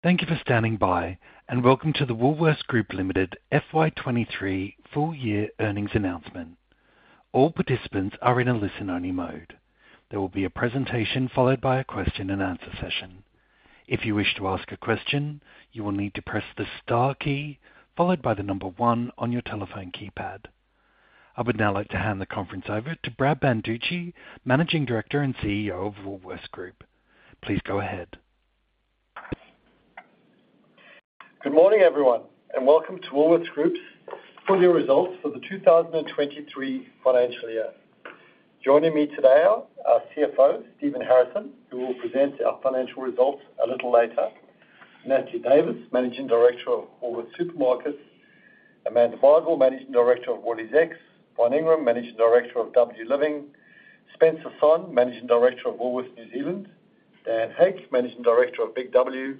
Thank you for standing by, and welcome to the Woolworths Group Limited FY23 full-year earnings announcement. All participants are in a listen-only mode. There will be a presentation followed by a question-and-answer session. If you wish to ask a question, you will need to press the star key, followed by the number one on your telephone keypad. I would now like to hand the conference over to Brad Banducci, Managing Director and CEO of Woolworths Group. Please go ahead. Good morning, everyone, and welcome to Woolworths Group's full-year results for the 2023 financial year. Joining me today are our CFO, Stephen Harrison, who will present our financial results a little later, Natalie Davis, Managing Director of Woolworths Supermarkets, Amanda Bardwell, Managing Director of WooliesX, Von Ingram, Managing Director of W Living, Spencer Sonn, Managing Director of Woolworths New Zealand, Daniel Hake, Managing Director of Big W,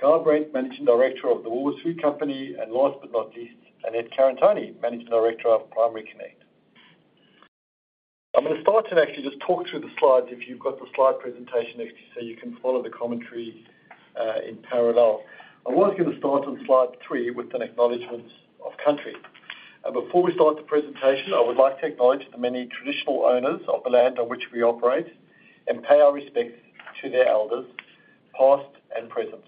Guy Brent, Managing Director of the Woolworths Food Company, and last but not least, Annette Karantoni, Managing Director of Primary Connect. I'm gonna start and actually just talk through the slides if you've got the slide presentation next to so you can follow the commentary in parallel. I was gonna start on slide three with an acknowledgment of country. Before we start the presentation, I would like to acknowledge the many traditional owners of the land on which we operate and pay our respects to their elders, past and present.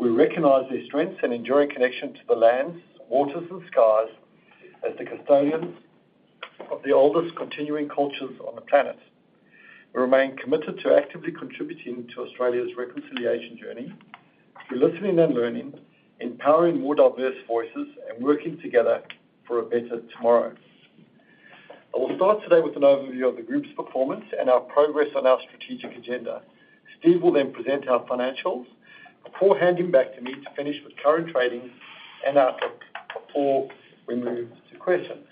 We recognize their strengths and enduring connection to the lands, waters, and skies as the custodians of the oldest continuing cultures on the planet. We remain committed to actively contributing to Australia's reconciliation journey through listening and learning, empowering more diverse voices, and working together for a better tomorrow. I will start today with an overview of the group's performance and our progress on our strategic agenda. Steve will present our financials before handing back to me to finish with current trading and our report before we move to questions.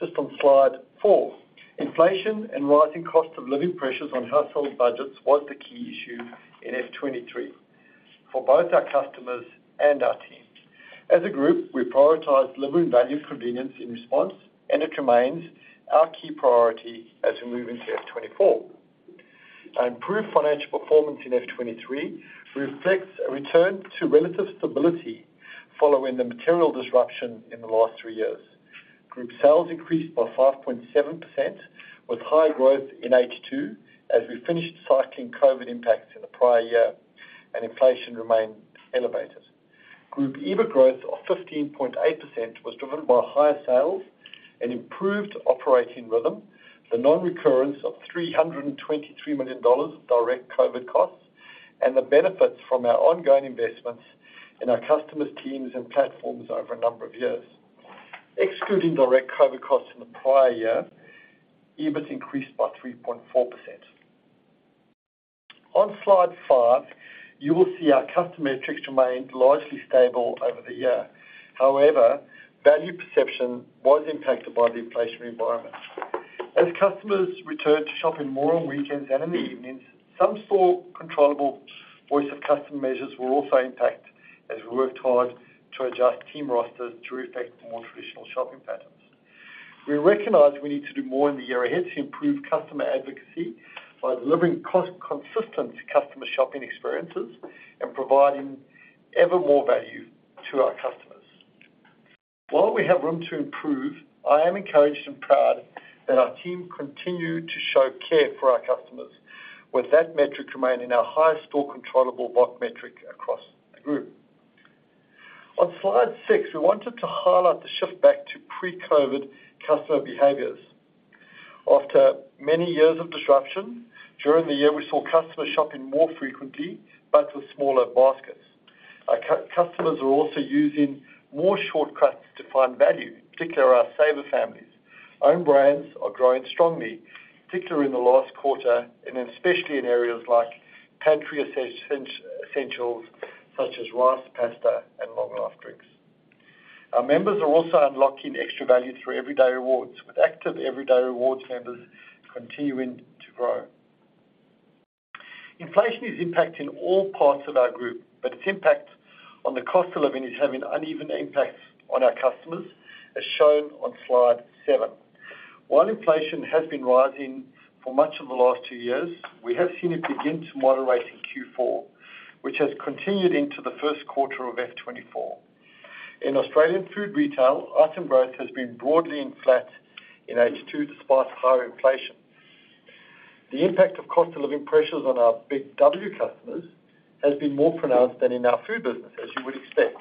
Just on slide 4, inflation and rising cost of living pressures on household budgets was the key issue in F23 for both our customers and our teams. As a Group, we prioritized delivering value and convenience in response, and it remains our key priority as we move into F24. Our improved financial performance in F23 reflects a return to relative stability following the material disruption in the last 3 years. Group sales increased by 5.7%, with high growth in H2, as we finished cycling COVID impacts in the prior year and inflation remained elevated. Group EBIT growth of 15.8% was driven by higher sales and improved operating rhythm, the non-recurrence of 323 million dollars direct COVID costs, and the benefits from our ongoing investments in our customers, teams, and platforms over a number of years. Excluding direct COVID costs in the prior year, EBIT increased by 3.4%. On slide 5, you will see our customer metrics remained largely stable over the year. However, value perception was impacted by the inflationary environment. As customers returned to shopping more on weekends and in the evenings, some store controllable voice of customer measures were also impacted as we worked hard to adjust team rosters to reflect more traditional shopping patterns. We recognize we need to do more in the year ahead to improve customer advocacy by delivering consistent customer shopping experiences and providing ever more value to our customers. While we have room to improve, I am encouraged and proud that our team continued to show care for our customers, with that metric remaining our highest store controllable VOC metric across the group. On slide 6, we wanted to highlight the shift back to pre-COVID customer behaviors. After many years of disruption, during the year, we saw customers shopping more frequently, but with smaller baskets. Our customers are also using more shortcuts to find value, particularly our Saver Families. Own brands are growing strongly, particularly in the last quarter, and especially in areas like pantry essentials, such as rice, pasta, and long-life drinks. Our members are also unlocking extra value through Everyday Rewards, with active Everyday Rewards members continuing to grow. Inflation is impacting all parts of our group, but its impact on the cost of living is having uneven impacts on our customers, as shown on slide 7. While inflation has been rising for much of the last 2 years, we have seen it begin to moderate in Q4, which has continued into the first quarter of F24. In Australian food retail, item growth has been broadly in flat in H2, despite higher inflation. The impact of cost-of-living pressures on our Big W customers has been more pronounced than in our food business, as you would expect.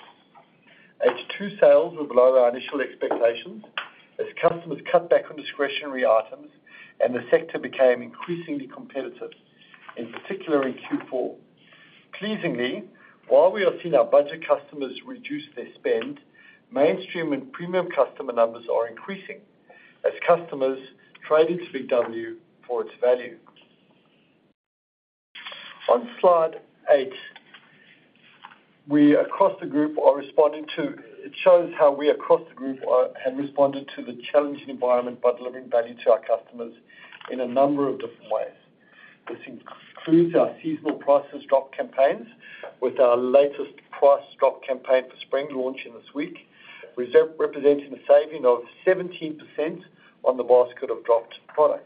H2 sales were below our initial expectations as customers cut back on discretionary items and the sector became increasingly competitive, in particular in Q4. Pleasingly, while we have seen our budget customers reduce their spend, mainstream and premium customer numbers are increasing as customers trade into Big W for its value. On slide 8, we across the group are responding to... It shows how we across the group have responded to the challenging environment by delivering value to our customers in a number of different ways. This includes our seasonal price drop campaigns. With our latest price drop campaign for Spring launch in this week, representing a saving of 17% on the basket of dropped products.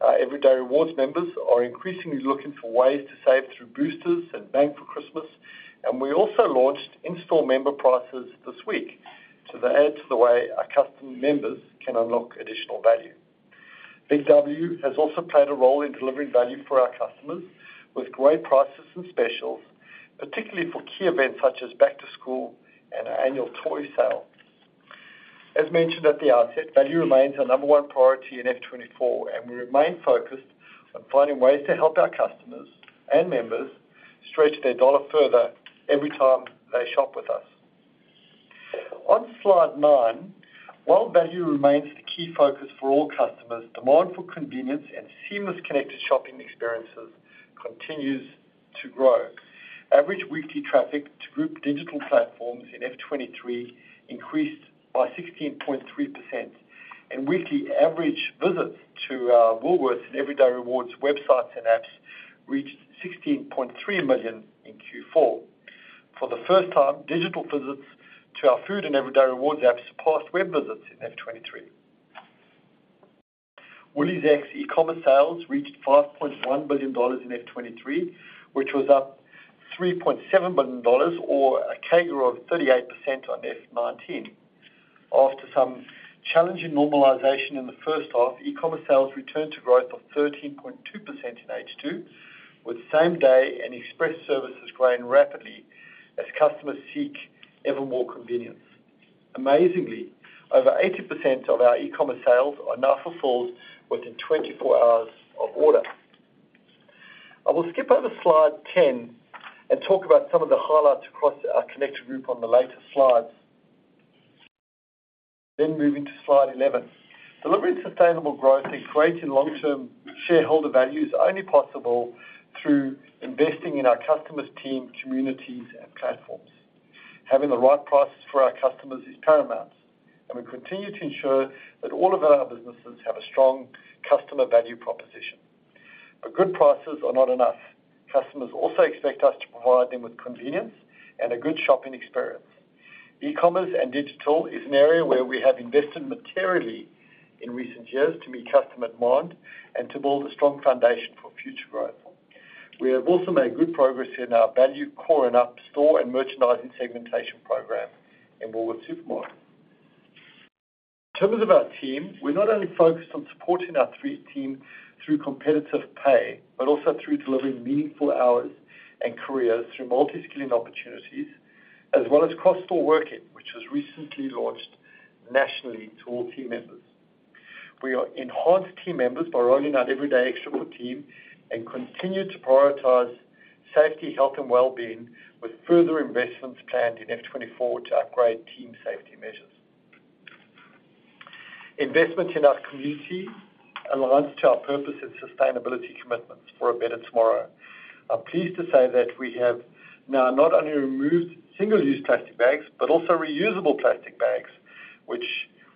Our Everyday Rewards members are increasingly looking for ways to save through boosters and Bank for Christmas. We also launched in-store member prices this week to add to the way our custom and members can unlock additional value. Big W has also played a role in delivering value for our customers, with great prices and specials, particularly for key events such as Back to School and our annual toy sale. As mentioned at the outset, value remains our number one priority in F24. We remain focused on finding ways to help our customers and members stretch their dollar further every time they shop with us. On slide 9, while value remains the key focus for all customers, demand for convenience and seamless connected shopping experiences continues to grow. Average weekly traffic to Group digital platforms in F23 increased by 16.3%. Weekly average visits to our Woolworths and Everyday Rewards websites and apps reached 16.3 million in Q4. For the first time, digital visits to our Food and Everyday Rewards apps surpassed web visits in F23. WooliesX e-commerce sales reached 5.1 billion dollars in F23, which was up 3.7 billion dollars, or a CAGR of 38% on F19. After some challenging normalization in the first half, e-commerce sales returned to growth of 13.2% in H2, with same-day and express services growing rapidly as customers seek ever more convenience. Amazingly, over 80% of our e-commerce sales are now fulfilled within 24 hours of order. I will skip over slide 10 and talk about some of the highlights across our connected group on the later slides. Moving to slide 11. Delivering sustainable growth and creating long-term shareholder value is only possible through investing in our customers, team, communities, and platforms. Having the right prices for our customers is paramount, and we continue to ensure that all of our businesses have a strong customer value proposition. Good prices are not enough. Customers also expect us to provide them with convenience and a good shopping experience. E-commerce and digital is an area where we have invested materially in recent years to meet customer demand and to build a strong foundation for future growth. We have also made good progress in our value core and up store and merchandising segmentation program in Woolworths Supermarkets. In terms of our team, we're not only focused on supporting our store team through competitive pay, but also through delivering meaningful hours and careers through multi-skilling opportunities, as well as cross-store working, which was recently launched nationally to all team members. We are enhanced team members by rolling out Everyday Extra for team and continue to prioritize safety, health, and well-being, with further investments planned in F24 to upgrade team safety measures. Investments in our community aligns to our purpose and sustainability commitments for a better tomorrow. I'm pleased to say that we have now not only removed single-use plastic bags, but also reusable plastic bags, which,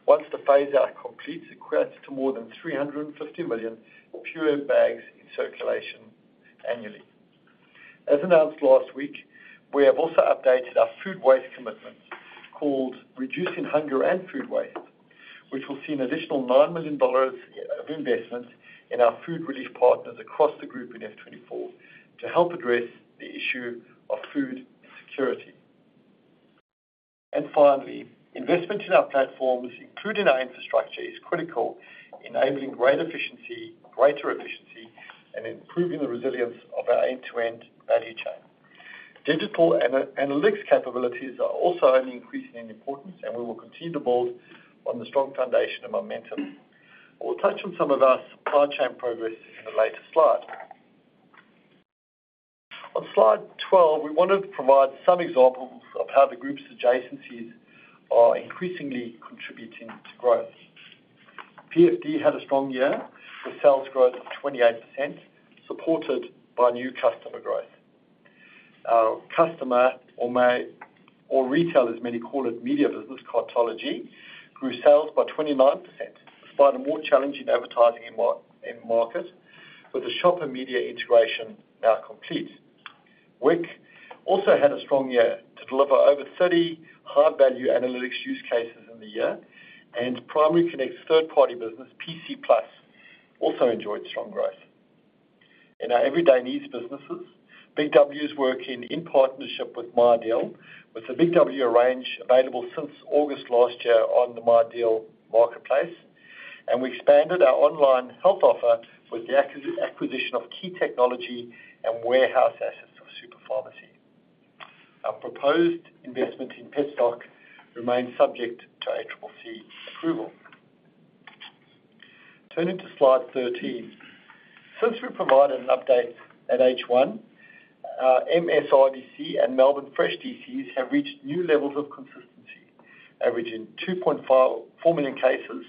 once the phase-out completes, equates to more than 350 million fewer bags in circulation annually. As announced last week, we have also updated our food waste commitments, called Reducing Hunger and Food Waste, which will see an additional 9 million dollars of investment in our food relief partners across the group in F24 to help address the issue of food security. Finally, investment in our platforms, including our infrastructure, is critical, enabling great efficiency, greater efficiency, and improving the resilience of our end-to-end value chain. Digital analytics capabilities are also only increasing in importance, and we will continue to build on the strong foundation and momentum. We'll touch on some of our supply chain progress in a later slide. On slide 12, we want to provide some examples of how the group's adjacencies are increasingly contributing to growth. PFD had a strong year, with sales growth of 28%, supported by new customer growth. Our customer, or retail, as many call it, media business, Cartology, grew sales by 29%, despite a more challenging advertising in market, with the Shopper Media integration now complete. wiq also had a strong year to deliver over 30 high-value analytics use cases in the year, and Primary Connect's third-party business, Primary Connect+, also enjoyed strong growth. In our everyday needs businesses, Big W is working in partnership with MyDeal, with the Big W range available since August last year on the MyDeal marketplace, and we expanded our online health offer with the acquisition of key technology and warehouse assets of SuperPharmacy. Our proposed investment in Petstock remains subject to ACCC approval. Turning to slide 13. Since we provided an update at H1, MSRDC and Melbourne Fresh DCs have reached new levels of consistency, averaging 2.4 million cases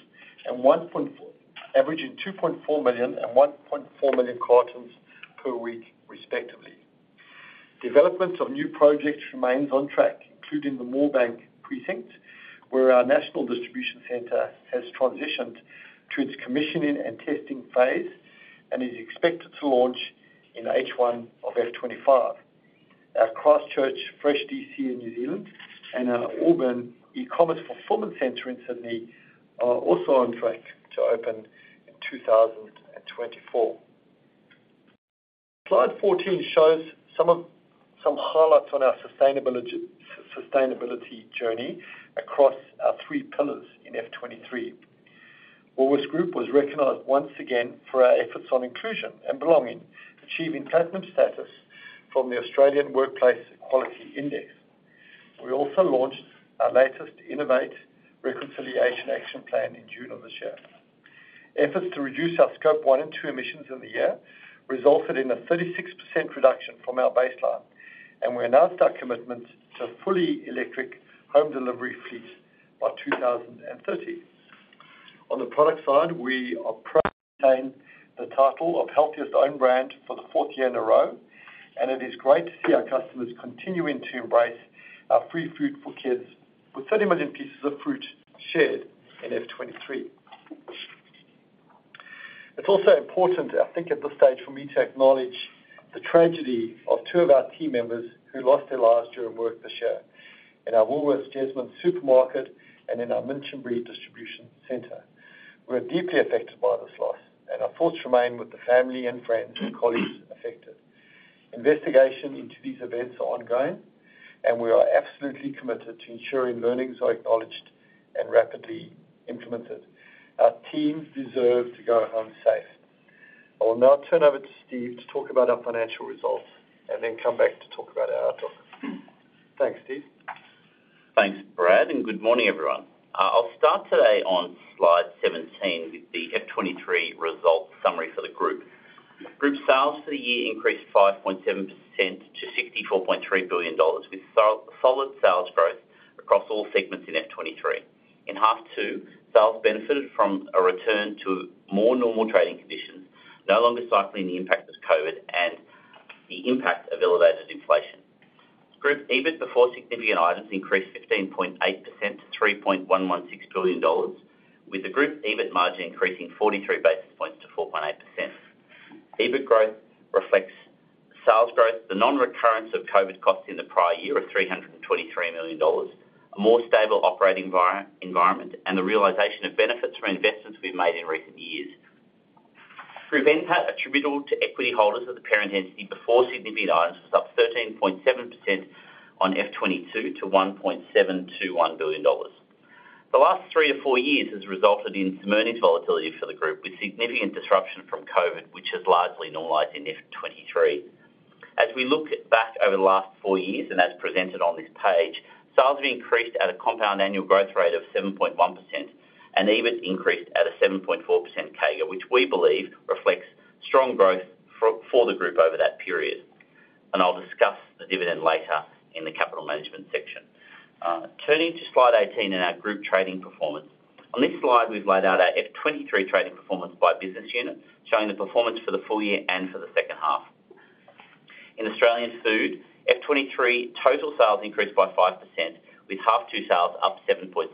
and 1.4 million cartons per week, respectively. Development of new projects remains on track, including the Moorebank Precinct, where our national distribution center has transitioned to its commissioning and testing phase, and is expected to launch in H1 of F25. Our Christchurch Fresh DC in New Zealand and our Auburn E-commerce Fulfillment Centre in Sydney are also on track to open in 2024. Slide 14 shows some highlights on our sustainability journey across our three pillars in F23. Woolworths Group was recognized once again for our efforts on inclusion and belonging, achieving platinum status from the Australian Workplace Equality Index. We also launched our latest Innovate Reconciliation Action Plan in June of this year. Efforts to reduce our scope 1 and 2 emissions in the year resulted in a 36% reduction from our baseline. We announced our commitment to a fully electric home delivery fleet by 2030. On the product side, we are proud to maintain the title of Healthiest Own Brand for the fourth year in a row, and it is great to see our customers continuing to embrace our Free Fruit for Kids, with 30 million pieces of fruit shared in F23. It's also important, I think, at this stage for me to acknowledge the tragedy of two of our team members who lost their lives during work this year, in our Woolworths Jesmond supermarket and in our Minchinbury Distribution Centre. We're deeply affected by this loss. Our thoughts remain with the family and friends and colleagues affected. Investigation into these events are ongoing. We are absolutely committed to ensuring learnings are acknowledged and rapidly implemented. Our teams deserve to go home safe. I will now turn over to Steve to talk about our financial results and then come back to talk about our outlook. Thanks, Steve. Thanks, Brad, good morning, everyone. I'll start today on slide 17 with the F23 results summary for the group. Group sales for the year increased 5.7% to AUD 64.3 billion, with solid sales growth across all segments in F23. In H2, sales benefited from a return to more normal trading conditions, no longer cycling the impact of Covid and the impact of elevated inflation. Group EBIT before significant items increased 15.8% to 3.116 billion dollars, with the group EBIT margin increasing 43 basis points to 4.8%. EBIT growth reflects sales growth, the non-recurrence of Covid costs in the prior year of 323 million dollars, a more stable operating environment, and the realization of benefits from investments we've made in recent years. Group NPAT, attributable to equity holders of the parent entity before significant items, was up 13.7% on F22 to 1.721 billion dollars. The last three to four years has resulted in some earnings volatility for the group, with significant disruption from COVID, which has largely normalized in F23. As we look back over the last four years, and as presented on this page, sales have increased at a compound annual growth rate of 7.1%, and EBIT increased at a 7.4% CAGR, which we believe reflects strong growth for, for the group over that period. I'll discuss the dividend later in the capital management section. Turning to slide 18 in our group trading performance. On this slide, we've laid out our F23 trading performance by business unit, showing the performance for the full year and for the second half. In Australian food, F23 total sales increased by 5%, with half two sales up to 7.6%.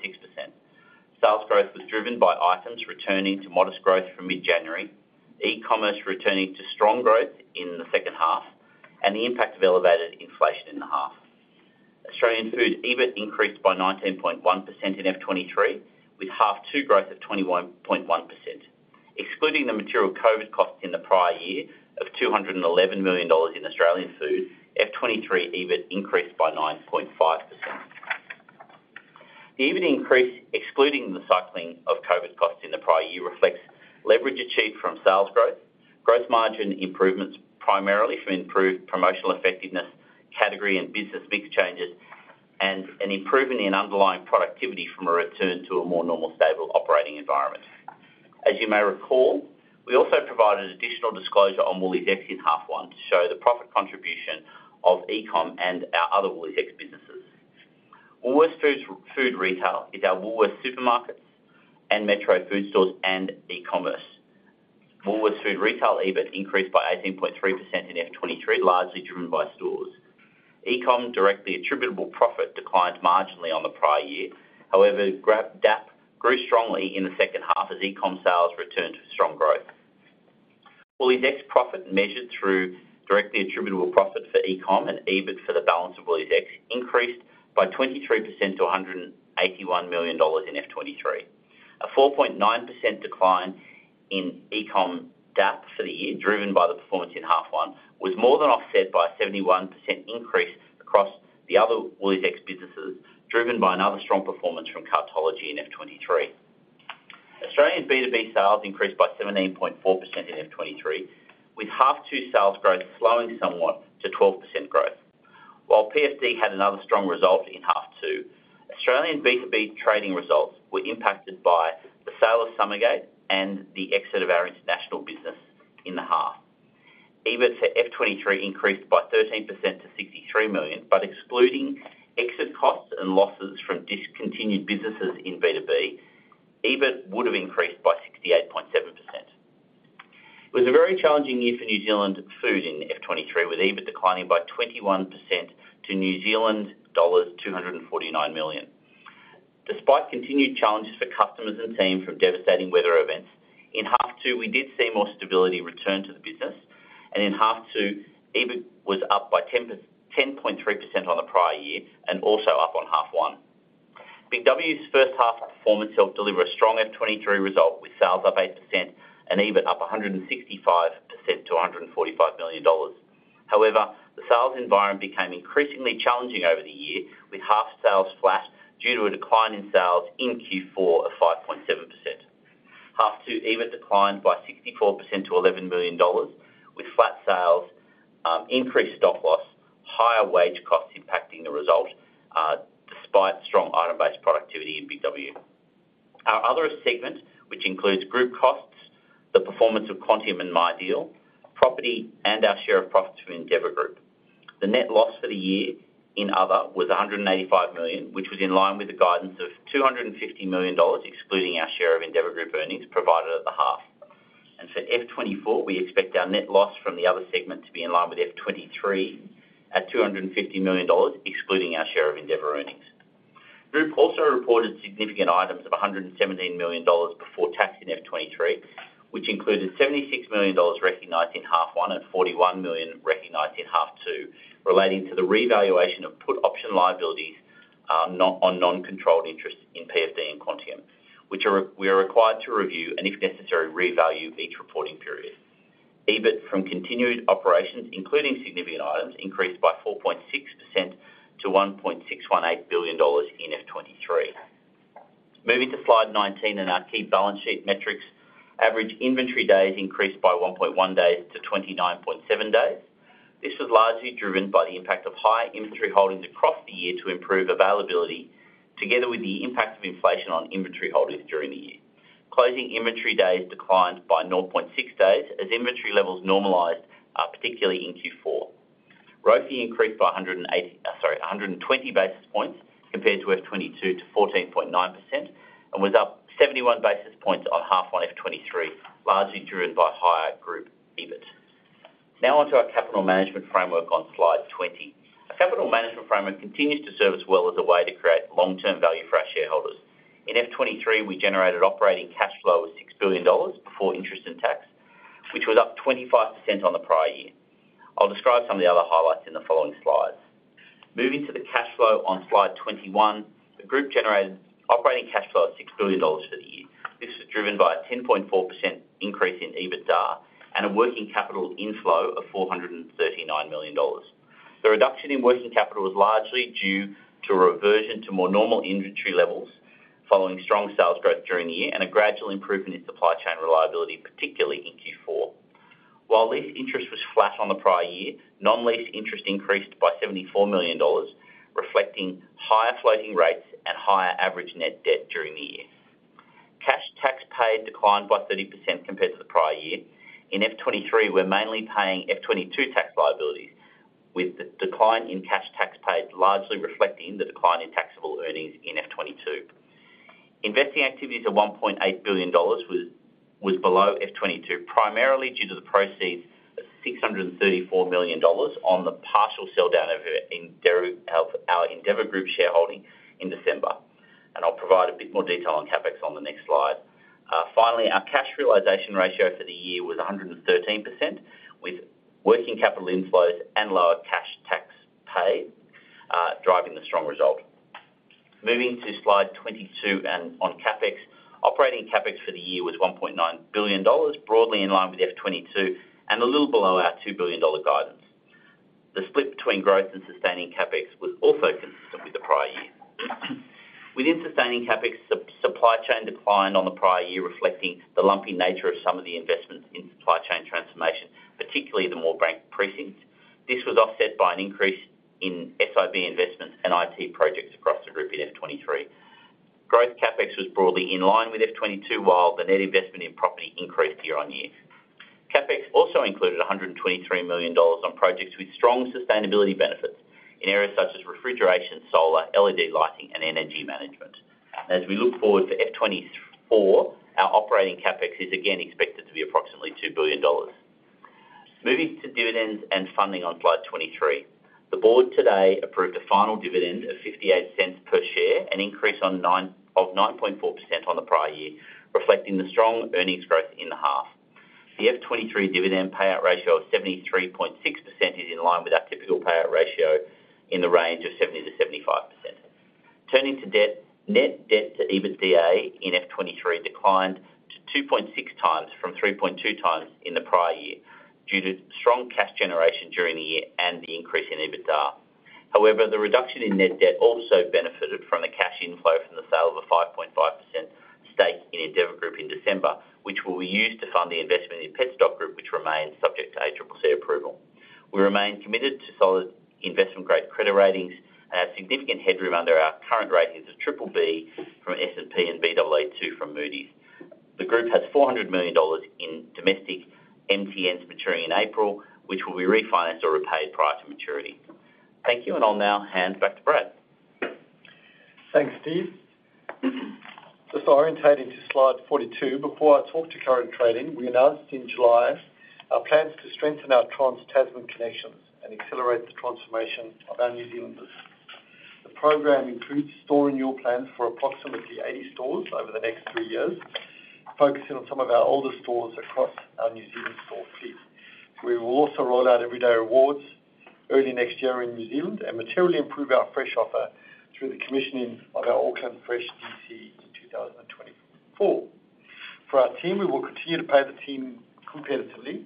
Sales growth was driven by items returning to modest growth from mid-January, e-commerce returning to strong growth in the second half, and the impact of elevated inflation in the half. Australian food EBIT increased by 19.1% in F23, with half two growth of 21.1%. Excluding the material COVID costs in the prior year of 211 million dollars in Australian food, F23 EBIT increased by 9.5%. The EBIT increase, excluding the cycling of COVID costs in the prior year, reflects leverage achieved from sales growth, growth margin improvements primarily from improved promotional effectiveness, category and business mix changes, and an improvement in underlying productivity from a return to a more normal, stable operating environment. As you may recall, we also provided additional disclosure on WooliesX in half 1 to show the profit contribution of eCom and our other WooliesX businesses. Woolworths Food, Food Retail is our Woolworths Supermarkets and Metro food stores and e-commerce. Woolworths Food Retail EBIT increased by 18.3% in F23, largely driven by stores. ECom directly attributable profit declined marginally on the prior year. However, Group DAP grew strongly in the second half as eCom sales returned to strong growth. WooliesX profit, measured through directly attributable profit for eCom and EBIT for the balance of WooliesX, increased by 23% to 181 million dollars in F23. A 4.9% decline in eCom DAP for the year, driven by the performance in half one, was more than offset by a 71% increase across the other WooliesX businesses, driven by another strong performance from Cartology in F23. Australian B2B sales increased by 17.4% in F23, with half two sales growth slowing somewhat to 12% growth. PFD had another strong result in half two, Australian B2B trading results were impacted by the sale of Summergate and the exit of our international business in the half. EBIT for F23 increased by 13% to 63 million. Excluding exit costs and losses from discontinued businesses in B2B, EBIT would have increased by 68.7%. A very challenging year for New Zealand Food in F23, with EBIT declining by 21% to New Zealand dollars 249 million. Despite continued challenges for customers and team from devastating weather events, in half two, we did see more stability return to the business, in half two, EBIT was up by 10.3% on the prior year and also up on half one. Big W's first half performance helped deliver a strong F23 result, with sales up 8% and EBIT up 165% to 145 million dollars. However, the sales environment became increasingly challenging over the year, with half sales flat due to a decline in sales in Q4 of 5.7%. Half 2, EBIT declined by 64% to 11 million dollars, with flat sales, increased stock loss, higher wage costs impacting the result, despite strong item-based productivity in Big W. Our other segment, which includes group costs, the performance of Quantium and MyDeal, property, and our share of profits from Endeavour Group. The net loss for the year in other was 185 million, which was in line with the guidance of 250 million dollars, excluding our share of Endeavour Group earnings provided at the half. For F24, we expect our net loss from the other segment to be in line with F23 at AUD 250 million, excluding our share of Endeavour earnings. Group also reported significant items of AUD 117 million before tax in F23, which included AUD 76 million recognized in half one and AUD 41 million recognized in half two, relating to the revaluation of put option liabilities on non-controlled interests in PFD and Quantium, we are required to review and, if necessary, revalue each reporting period. EBIT from continued operations, including significant items, increased by 4.6% to 1.618 billion dollars in F23. Moving to slide 19 and our key balance sheet metrics. Average inventory days increased by 1.1 days to 29.7 days. This was largely driven by the impact of higher inventory holdings across the year to improve availability, together with the impact of inflation on inventory holdings during the year. Closing inventory days declined by 0.6 days, as inventory levels normalized, particularly in Q4. ROIC increased by 108, 120 basis points compared to F22 to 14.9%, and was up 71 basis points on half 1 F23, largely driven by higher group EBIT. Now on to our capital management framework on slide 20. Our capital management framework continues to serve us well as a way to create long-term value for our shareholders. In F23, we generated operating cash flow of 6 billion dollars before interest and tax, which was up 25% on the prior year. I'll describe some of the other highlights in the following slides. Moving to the cash flow on slide 21, the group generated operating cash flow of 6 billion dollars for the year. This was driven by a 10.4% increase in EBITDA and a working capital inflow of 439 million dollars. The reduction in working capital was largely due to a reversion to more normal inventory levels, following strong sales growth during the year, and a gradual improvement in supply chain reliability, particularly in Q4. While lease interest was flat on the prior year, non-lease interest increased by 74 million dollars, reflecting higher floating rates and higher average net debt during the year. Cash tax paid declined by 30% compared to the prior year. In F23, we're mainly paying F22 tax liabilities, with the decline in cash tax paid largely reflecting the decline in taxable earnings in F22. Investing activities of AUD 1.8 billion was below F22, primarily due to the proceeds of AUD 634 million on the partial sell down of our Endeavour Group shareholding in December. I'll provide a bit more detail on CapEx on the next slide. Finally, our cash realization ratio for the year was 113%, with working capital inflows and lower cash tax paid driving the strong result. Moving to slide 22. On CapEx. Operating CapEx for the year was 1.9 billion dollars, broadly in line with F22. A little below our 2 billion dollar guidance. The split between growth and sustaining CapEx was also consistent with the prior year. Within sustaining CapEx, supply chain declined on the prior year, reflecting the lumpy nature of some of the investments in supply chain transformation, particularly the Moorebank Precinct. This was offset by an increase in SIB investments and IT projects across the group in F23. Growth CapEx was broadly in line with F22, while the net investment in property increased year-on-year. CapEx also included 123 million dollars on projects with strong sustainability benefits in areas such as refrigeration, solar, LED lighting, and energy management. As we look forward to F24, our operating CapEx is again expected to be approximately 2 billion dollars. Moving to dividends and funding on slide 23. The board today approved a final dividend of 0.58 per share, an increase of 9.4% on the prior year, reflecting the strong earnings growth in the half. The F23 dividend payout ratio of 73.6% is in line with our typical payout ratio in the range of 70%-75%. Turning to debt. Net debt to EBITDA in F23 declined to 2.6 times from 3.2 times in the prior year, due to strong cash generation during the year and the increase in EBITDA. However, the reduction in net debt also benefited from the cash inflow from the sale of a 5.5% stake in Endeavour Group in December, which will be used to fund the investment in Petstock Group, which remains subject to ACCC approval. We remain committed to solid investment-grade credit ratings and have significant headroom under our current ratings of triple B from S&P and Baa2 from Moody's. The group has 400 million dollars in domestic MTNs maturing in April, which will be refinanced or repaid prior to maturity. Thank you. I'll now hand back to Brad.... Thanks, Steve. Just orientating to slide 42, before I talk to current trading, we announced in July our plans to strengthen our Trans-Tasman connections and accelerate the transformation of our New Zealand business. The program includes store renewal plans for approximately 80 stores over the next 3 years, focusing on some of our older stores across our New Zealand store fleet. We will also roll out Everyday Rewards early next year in New Zealand and materially improve our fresh offer through the commissioning of our Auckland Fresh DC in 2024. For our team, we will continue to pay the team competitively,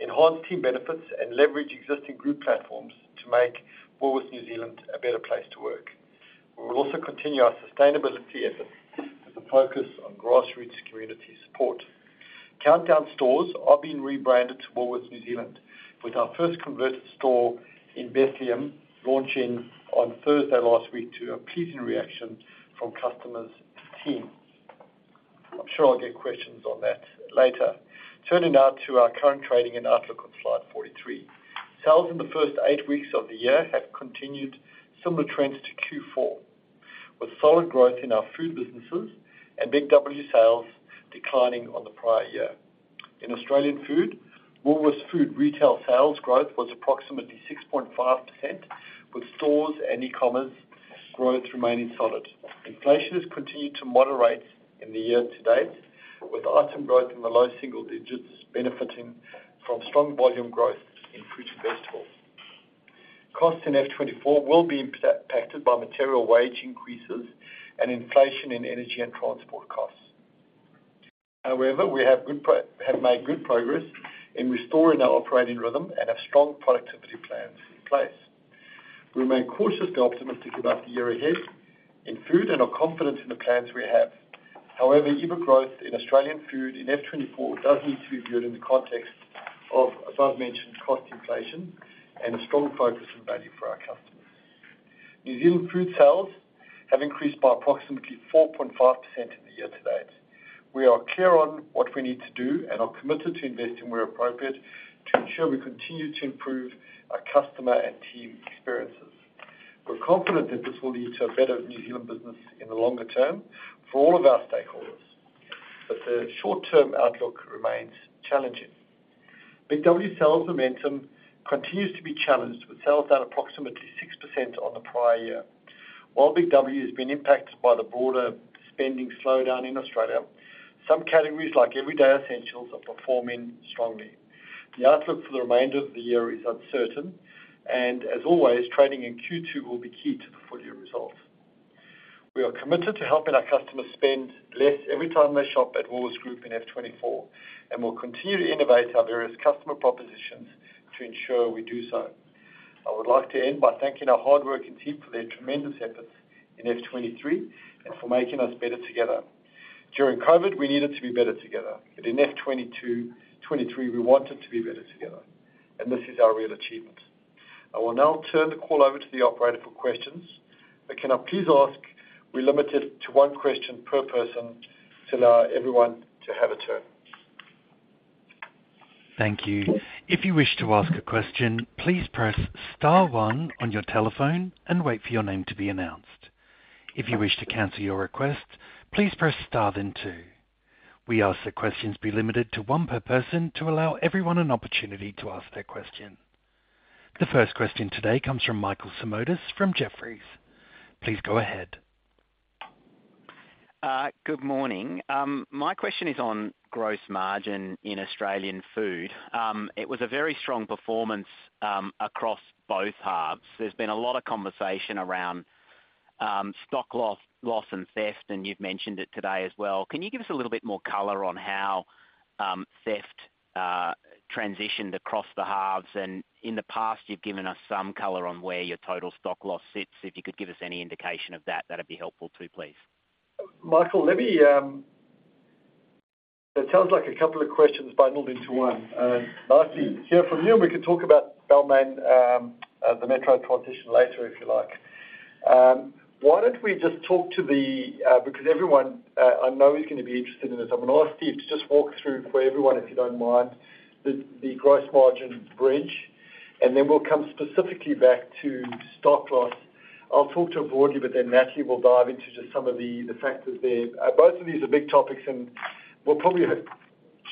enhance team benefits, and leverage existing group platforms to make Woolworths New Zealand a better place to work. We will also continue our sustainability efforts with a focus on grassroots community support. Countdown stores are being rebranded to Woolworths New Zealand, with our first converted store in Bethlehem launching on Thursday last week to a pleasing reaction from customers' team. I'm sure I'll get questions on that later. Turning now to our current trading and outlook on slide 43. Sales in the first eight weeks of the year have continued similar trends to Q4, with solid growth in our food businesses and Big W sales declining on the prior year. In Australian Food, Woolworths Food Retail sales growth was approximately 6.5%, with stores and e-commerce growth remaining solid. Inflation has continued to moderate in the year to date, with item growth in the low single digits benefiting from strong volume growth in fruit and vegetables. Costs in F24 will be impacted by material wage increases and inflation in energy and transport costs. We have good pro. Have made good progress in restoring our operating rhythm and have strong productivity plans in place. We remain cautiously optimistic about the year ahead in food and are confident in the plans we have. However, EBITDA growth in Australian Food in F24 does need to be viewed in the context of above-mentioned cost inflation and a strong focus on value for our customers. New Zealand food sales have increased by approximately 4.5% in the year to date. We are clear on what we need to do and are committed to investing where appropriate, to ensure we continue to improve our customer and team experiences. We're confident that this will lead to a better New Zealand business in the longer term for all of our stakeholders, but the short-term outlook remains challenging. Big W sales momentum continues to be challenged, with sales down approximately 6% on the prior year. While Big W has been impacted by the broader spending slowdown in Australia, some categories, like Everyday Essentials, are performing strongly. The outlook for the remainder of the year is uncertain, and as always, trading in Q2 will be key to the full-year results. We are committed to helping our customers spend less every time they shop at Woolworths Group in F24, and we'll continue to innovate our various customer propositions to ensure we do so. I would like to end by thanking our hardworking team for their tremendous efforts in F23 and for making us better together. During COVID, we needed to be better together, but in F22, F23, we wanted to be better together, and this is our real achievement. I will now turn the call over to the operator for questions, but can I please ask we limit it to one question per person to allow everyone to have a turn? Thank you. If you wish to ask a question, please press star one on your telephone and wait for your name to be announced. If you wish to cancel your request, please press star then two. We ask that questions be limited to one per person to allow everyone an opportunity to ask their question. The first question today comes from Michael Simotas from Jefferies. Please go ahead. Good morning. My question is on gross margin in Australian Food. It was a very strong performance across both halves. There's been a lot of conversation around stock loss, loss, and theft, and you've mentioned it today as well. Can you give us a little bit more color on how theft transitioned across the halves? In the past, you've given us some color on where your total stock loss sits. If you could give us any indication of that, that'd be helpful, too, please. Michael, let me... It sounds like a couple of questions bundled into one. Nice to hear from you, and we can talk about Balmain, the Metro transition later, if you like. Why don't we just talk to the because everyone, I know, is gonna be interested in this. I'm gonna ask Steve to just walk through for everyone, if you don't mind, the gross margin bridge, and then we'll come specifically back to stock loss. I'll talk to it broadly, but then Matthew will dive into just some of the factors there. Both of these are big topics, and we'll probably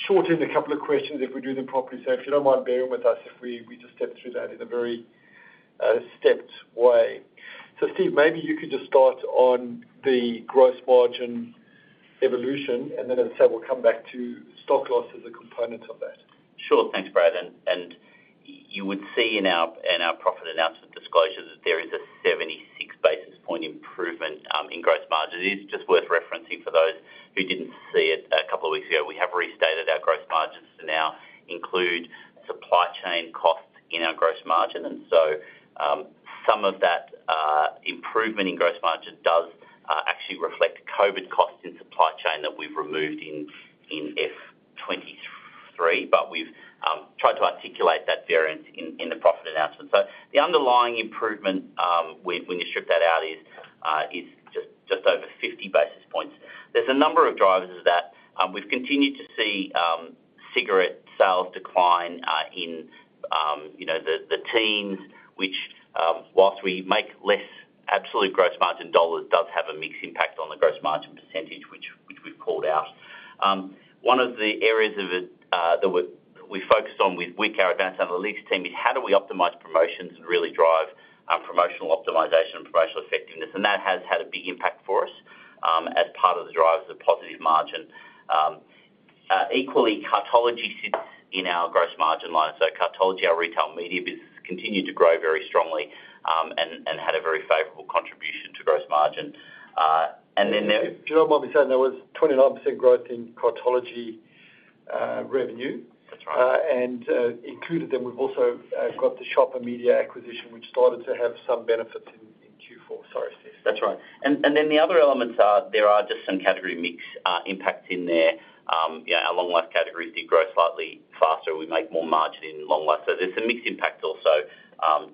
shorten a couple of questions if we do them properly. So if you don't mind, bear with us, if we, we just step through that in a very stepped way. Steve, maybe you could just start on the gross margin evolution, and then, as I said, we'll come back to stock loss as a component of that. Sure. Thanks, Brad, you would see in our, in our profit announcement disclosure that there is a 76 basis point improvement in gross margin. It is just worth referencing for those who didn't see it a couple of weeks ago. We have restated our gross margins to now include supply chain costs in our gross margin, some of that improvement in gross margin does actually reflect COVID costs in supply chain that we've removed in F23. We've tried to articulate that variance in, in the profit announcement. The underlying improvement, when, when you strip that out, is just, just over 50 basis points. There's a number of drivers of that. We've continued to see cigarette sales decline, in, you know, the teens, which, whilst we make less absolute gross margin AUD, does have a mixed impact on the gross margin %, which, which we've called out. One of the areas of it that we, we focused on with with our advanced analytics team, is how do we optimize promotions and really drive promotional optimization and promotional effectiveness? That has had a big impact for us as part of the drivers of positive margin. Equally, Cartology sits in our gross margin line. Cartology, our retail media business, continued to grow very strongly, and, and had a very favorable contribution to gross margin. Then there. If you don't mind me saying, there was 29% growth in Cartology revenue. That's right. Included then, we've also got the Shopper Media acquisition, which started to have some benefits in Q4. Sorry, Steve. That's right. Then the other elements are, there are just some category mix, impacts in there. Yeah, our long life categories did grow slightly faster. We make more margin in long life, so there's a mixed impact also,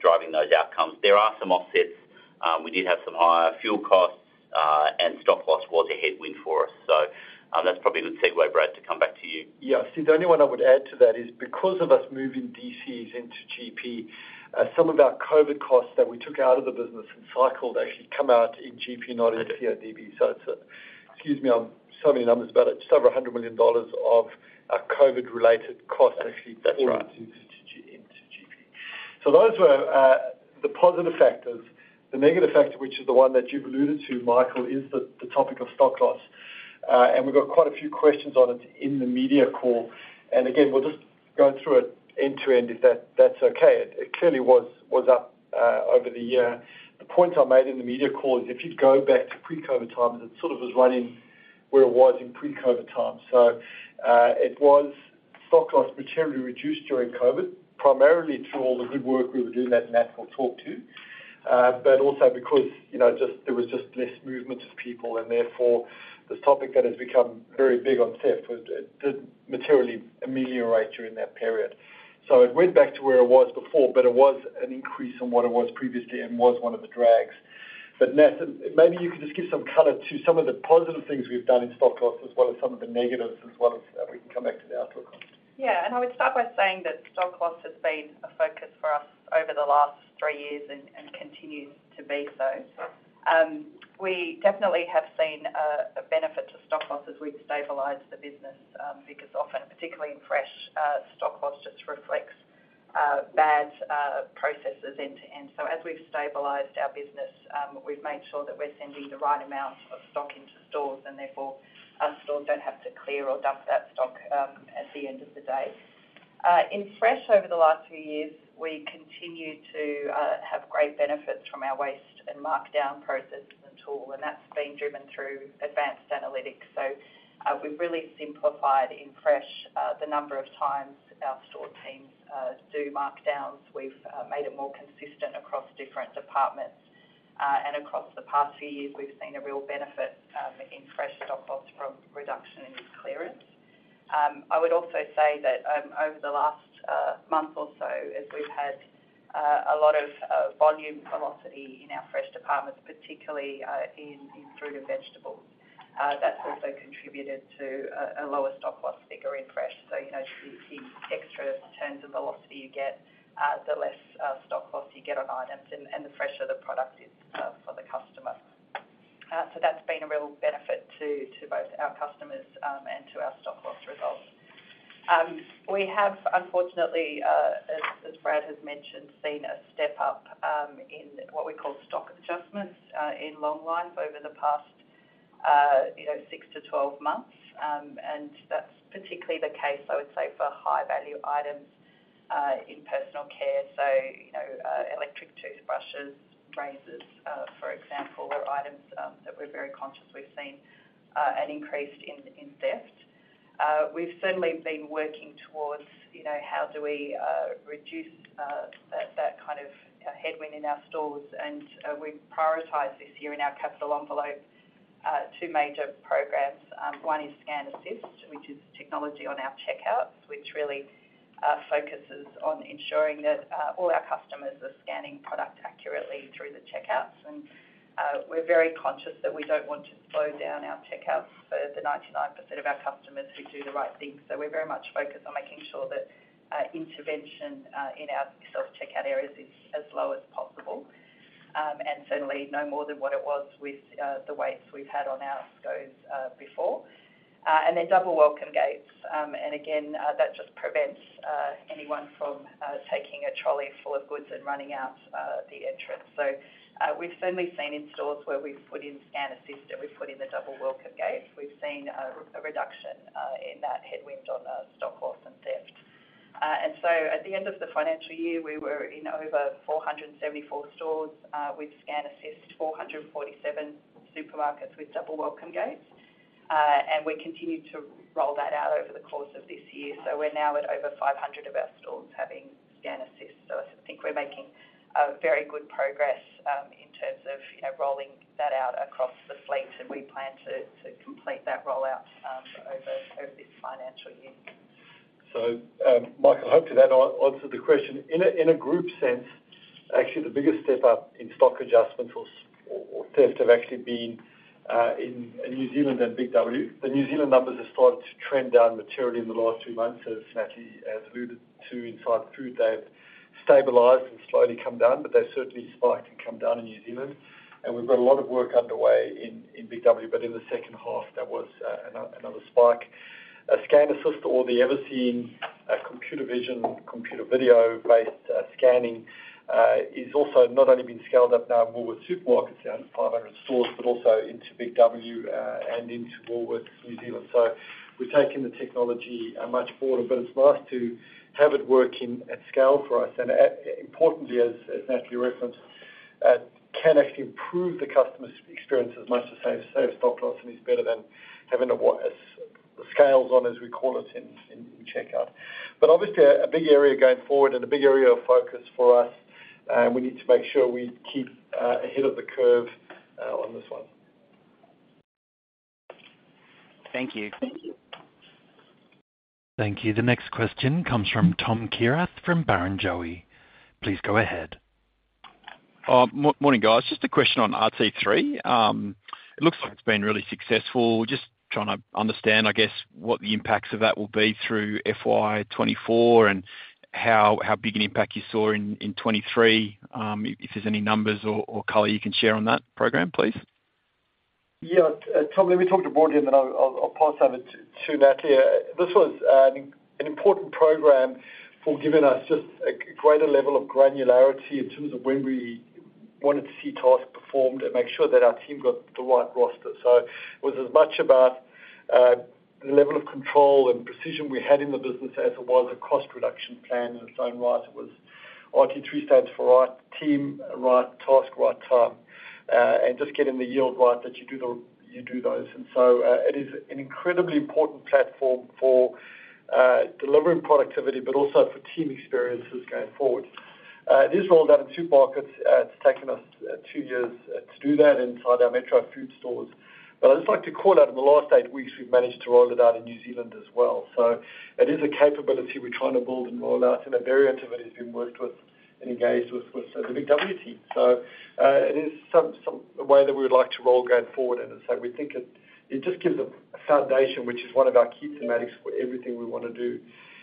driving those outcomes. There are some offsets. We did have some higher fuel costs, and stock loss was a headwind for us. That's probably a good segue, Brad, to come back to you. Yeah. Steve, the only one I would add to that is because of us moving DCs into GP, some of our COVID costs that we took out of the business and cycled actually come out in GP, not in CODB. Right. It's Excuse me, I'm so many numbers, but it's over 100 million dollars of COVID-related costs actually. That's right.... into GP. Those were the positive factors. The negative factor, which is the one that you've alluded to, Michael, is the topic of stock loss. We've got quite a few questions on it in the media call. Again, we'll just go through it end to end, if that's okay. It clearly was up over the year. The point I made in the media call is if you go back to pre-COVID times, it sort of was running where it was in pre-COVID times. It was stock loss materially reduced during COVID, primarily through all the good work we were doing that Nat will talk to. Also because, you know, just there was just less movement of people, and therefore, this topic that has become very big on theft was didn't materially ameliorate during that period. It went back to where it was before, but it was an increase from what it was previously and was one of the drags. Nat, maybe you could just give some color to some of the positive things we've done in stock loss, as well as some of the negatives, as well as we can come back to the outlook on. Yeah, I would start by saying that stock loss has been a focus for us over the last 3 years and continues to be so. We definitely have seen a benefit to stock loss as we've stabilized the business because often, particularly in fresh, stock loss just reflects bad processes end to end. As we've stabilized our business, we've made sure that we're sending the right amount of stock into stores, and therefore, our stores don't have to clear or dump that stock at the end of the day. In fresh, over the last few years, we continue to have great benefits from our waste and markdown processes at all, and that's been driven through advanced analytics. We've really simplified in fresh the number of times our store teams do markdowns. We've made it more consistent across different departments. Across the past few years, we've seen a real benefit in fresh stock loss from reduction in clearance. I would also say that over the last month or so, as we've had a lot of volume velocity in our fresh departments, particularly in fruit and vegetables, that's also contributed to a lower stock loss figure in fresh. You know, the extra turns and velocity you get, the less stock loss you get on items and the fresher the product is for the customer. That's been a real benefit to both our customers and to our stock loss results. We have, unfortunately, as Brad has mentioned, seen a step up in what we call stock adjustments in long life over the past, you know, 6-12 months. That's particularly the case, I would say, for high-value items in personal care. You know, electric toothbrushes, razors, for example, are items that we're very conscious we've seen an increase in theft. We've certainly been working towards, you know, how do we reduce that kind of headwind in our stores? We've prioritized this year in our capital envelope 2 major programs. One is Scan Assist, which is technology on our checkouts, which really focuses on ensuring that all our customers are scanning product accurately through the checkouts. We're very conscious that we don't want to slow down our checkouts for the 99% of our customers who do the right thing. We're very much focused on making sure that intervention in our self-checkout areas is as low as possible, and certainly no more than what it was with the waste we've had on our ACOs before. Double welcome gates. Again, that just prevents anyone from taking a trolley full of goods and running out the entrance. We've certainly seen in stores where we've put in Scan Assist, and we've put in the double welcome gates. We've seen a reduction in that headwind on stock loss and theft. At the end of the financial year, we were in over 474 stores with Scan Assist, 447 supermarkets with double welcome gates. We continued to roll that out over the course of this year, so we're now at over 500 of our stores having Scan Assist. I think we're making a very good progress in terms of, you know, rolling that out across the fleet, and we plan to complete that rollout over, over this financial year.... Michael, I hope to that I answered the question. In a, in a group sense, actually, the biggest step up in stock adjustments or, or, or theft have actually been in, in New Zealand and Big W. The New Zealand numbers have started to trend down materially in the last two months, as Natalie has alluded to, inside food, they've stabilized and slowly come down, but they've certainly spiked and come down in New Zealand. We've got a lot of work underway in Big W, but in the second half, there was another spike. A Scan Assist or the Everseen, a computer vision, computer video-based scanning is also not only been scaled up now in Woolworths Supermarkets, down to 500 stores, but also into Big W and into Woolworths New Zealand. We've taken the technology much broader, but it's nice to have it working at scale for us, and importantly, as Natalie referenced, can actually improve the customer's experience as much the same, same stock loss, and is better than having a what, as the scales on, as we call it, in checkout. Obviously a big area going forward and a big area of focus for us, and we need to make sure we keep ahead of the curve on this one. Thank you. Thank you. The next question comes from Thomas Kierath, from Barrenjoey. Please go ahead. Morning, guys. Just a question on RT3. It looks like it's been really successful. Just trying to understand, I guess, what the impacts of that will be through FY24 and how big an impact you saw in F23. If there's any numbers or color you can share on that program, please. Yeah, Tom, let me talk to broadly, and then I'll, I'll, I'll pass over to Natalie. This was an, an important program for giving us just a greater level of granularity in terms of when we wanted to see tasks performed and make sure that our team got the right roster. It was as much about the level of control and precision we had in the business as it was a cost reduction plan in its own right. It was RT3 stands for right team, right task, right time, and just getting the yield right that you do the, you do those. It is an incredibly important platform for delivering productivity, but also for team experiences going forward. It is rolled out in 2 markets. It's taken us 2 years to do that inside our Metro food stores. I'd just like to call out in the last 8 weeks, we've managed to roll it out in New Zealand as well. It is a capability we're trying to build and roll out, and a variant of it has been worked with and engaged with, with the Big W team. It is some way that we would like to roll going forward. We think it just gives a foundation, which is one of our key thematics for everything we wanna do.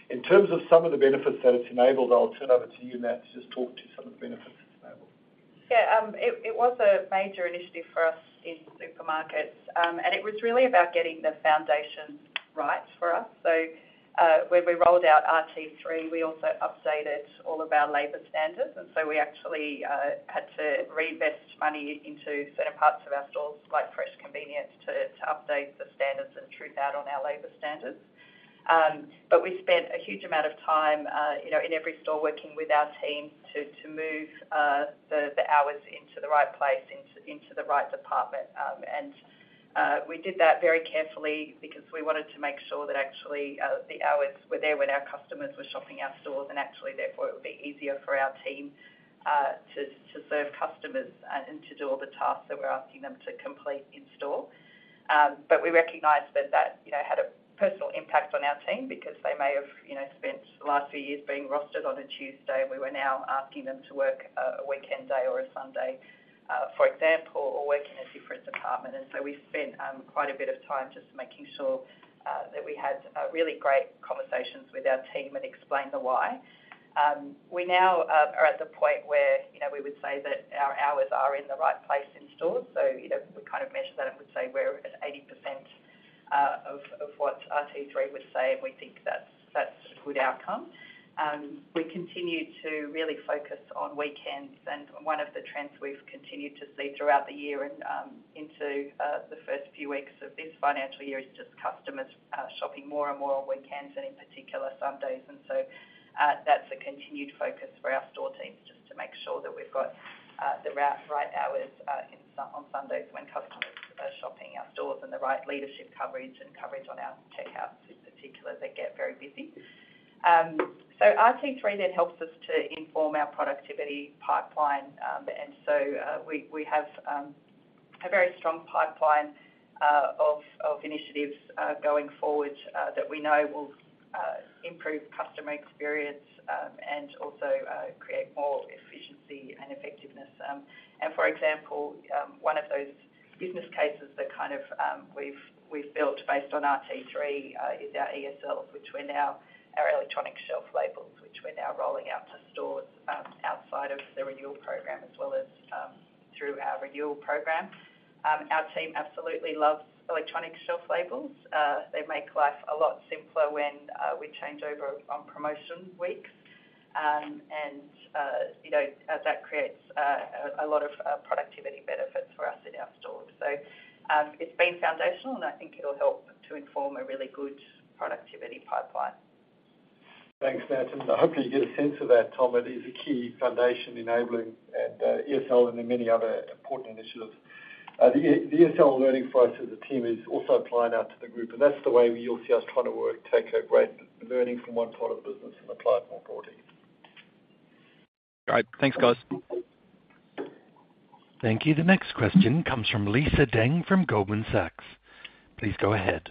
In terms of some of the benefits that it's enabled, I'll turn over to you, Nat, to just talk to some of the benefits it's enabled. Yeah, it was a major initiative for us in supermarkets, and it was really about getting the foundation right for us. When we rolled out RT3, we also updated all of our labor standards, and so we actually had to reinvest money into certain parts of our stores, like fresh convenience, to update the standards and true out on our labor standards. We spent a huge amount of time, you know, in every store, working with our team to move the hours into the right place, into the right department. We did that very carefully because we wanted to make sure that actually, the hours were there when our customers were shopping our stores, and actually, therefore, it would be easier for our team to, to serve customers and, and to do all the tasks that we're asking them to complete in store. We recognized that, that, you know, had a personal impact on our team because they may have, you know, spent the last few years being rostered on a Tuesday, and we were now asking them to work a, a weekend day or a Sunday, for example, or work in a different department. We spent quite a bit of time just making sure that we had really great conversations with our team and explained the why. We now are at the point where, you know, we would say that our hours are in the right place in stores. You know, we kind of measure that and would say we're at 80% of what RT3 would say, and we think that's, that's a good outcome. We continue to really focus on weekends, and one of the trends we've continued to see throughout the year and into the first few weeks of this financial year is just customers shopping more and more on weekends, and in particular, Sundays. That's a continued focus for our store teams, just to make sure that we've got the right, right hours on Sundays when customers are shopping our stores and the right leadership coverage and coverage on our checkouts in particular, they get very busy. RT3 then helps us to inform our productivity pipeline, we, we have a very strong pipeline of initiatives going forward that we know will improve customer experience and also create more efficiency and effectiveness. For example, 1 of those business cases that kind of, we've, we've built based on RT3, is our ESL, which we're now... Our electronic shelf labels, which we're now rolling out to stores, outside of the renewal program, as well as, through our renewal program. Our team absolutely loves electronic shelf labels. They make life a lot simpler when we change over on promotion weeks. You know, that creates a lot of productivity benefits for us in our stores. It's been foundational, and I think it'll help to inform a really good productivity pipeline. Thanks, Natalie. I hope you get a sense of that, Tom. It is a key foundation enabling ESL and many other important initiatives. The ESL learning for us as a team is also applying out to the group, that's the way you'll see us trying to work, take a great learning from one part of the business and apply it more broadly. All right, thanks, guys. Thank you. The next question comes from Lisa Deng from Goldman Sachs. Please go ahead.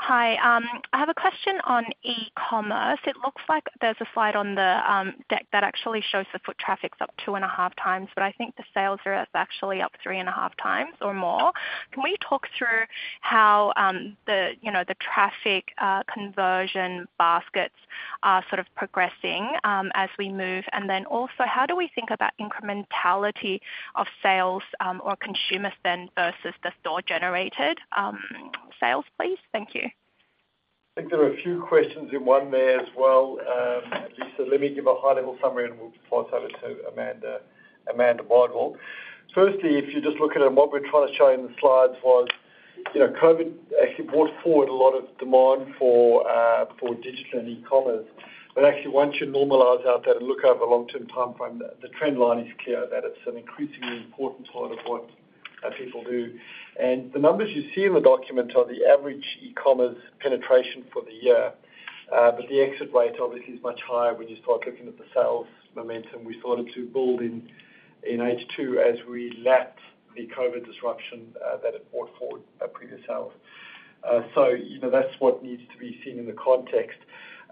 Hi. I have a question on e-commerce. It looks like there's a slide on the deck that actually shows the foot traffic's up 2.5 times, but I think the sales are actually up 3.5 times or more. Can we talk through how, you know, the traffic, conversion baskets are sort of progressing as we move? Then also, how do we think about incrementality of sales or consumer spend versus the store-generated sales, please? Thank you. I think there are a few questions in one there as well. Lisa, let me give a high-level summary, and we'll pass over to Amanda Bardwell. Firstly, if you just look at them, what we're trying to show in the slides was, you know, COVID actually brought forward a lot of demand for digital and e-commerce. Actually, once you normalize out that and look over a long-term timeframe, the trend line is clear that it's an increasingly important part of what people do. The numbers you see in the document are the average e-commerce penetration for the year. The exit rate obviously is much higher when you start looking at the sales momentum we started to build in, in H2 as we lapped the COVID disruption that it brought forward our previous sales. You know, that's what needs to be seen in the context.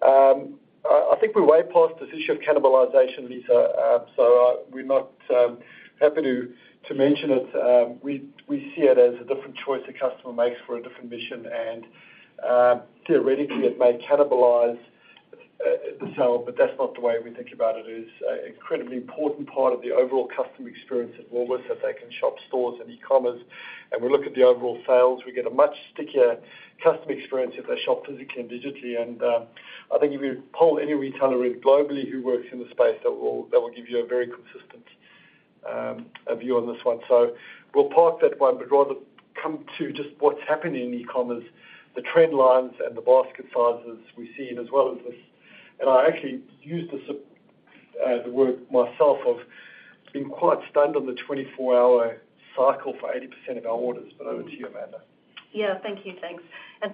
I, I think we're way past this issue of cannibalization, Lisa, so we're not happy to mention it. We, we see it as a different choice the customer makes for a different mission, and theoretically, it may cannibalize the sale, but that's not the way we think about it. It's an incredibly important part of the overall customer experience at Woolworths, that they can shop stores and e-commerce, and we look at the overall sales. We get a much stickier customer experience if they shop physically and digitally, and I think if you poll any retailer globally who works in the space, that will, they will give you a very consistent view on this one. We'll park that one, but rather come to just what's happening in e-commerce, the trend lines and the basket sizes we've seen, as well as this. I actually use this, the word myself of being quite stunned on the 24-hour cycle for 80% of our orders. Over to you, Amanda. Yeah, thank you, thanks.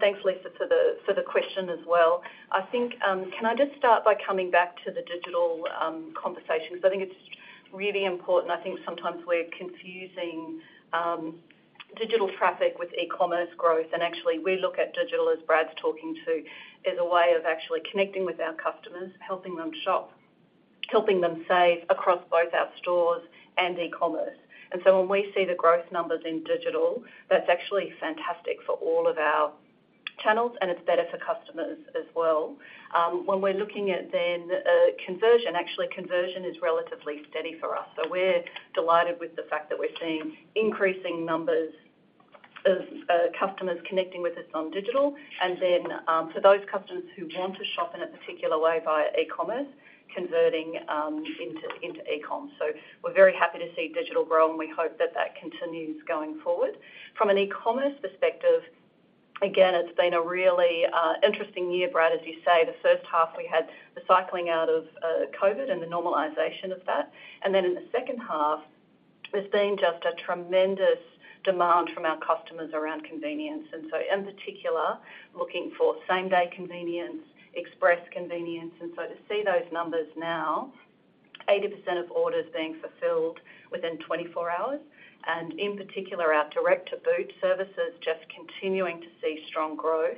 Thanks, Lisa, for the, for the question as well. I think, can I just start by coming back to the digital conversation? I think it's really important. I think sometimes we're confusing digital traffic with e-commerce growth, and actually, we look at digital, as Brad's talking to, as a way of actually connecting with our customers, helping them shop, helping them save across both our stores and e-commerce. When we see the growth numbers in digital, that's actually fantastic for all of our channels, and it's better for customers as well. When we're looking at then, conversion, actually conversion is relatively steady for us, so we're delighted with the fact that we're seeing increasing numbers of customers connecting with us on digital. For those customers who want to shop in a particular way via e-commerce, converting into, into e-com. We're very happy to see digital grow, and we hope that that continues going forward. From an e-commerce perspective, again, it's been a really interesting year, Brad, as you say. The first half, we had the cycling out of COVID and the normalization of that. In the second half, there's been just a tremendous demand from our customers around convenience, and so in particular, looking for same-day convenience, express convenience. To see those numbers now, 80% of orders being fulfilled within 24 hours, and in particular, our direct-to-boot services just continuing to see strong growth,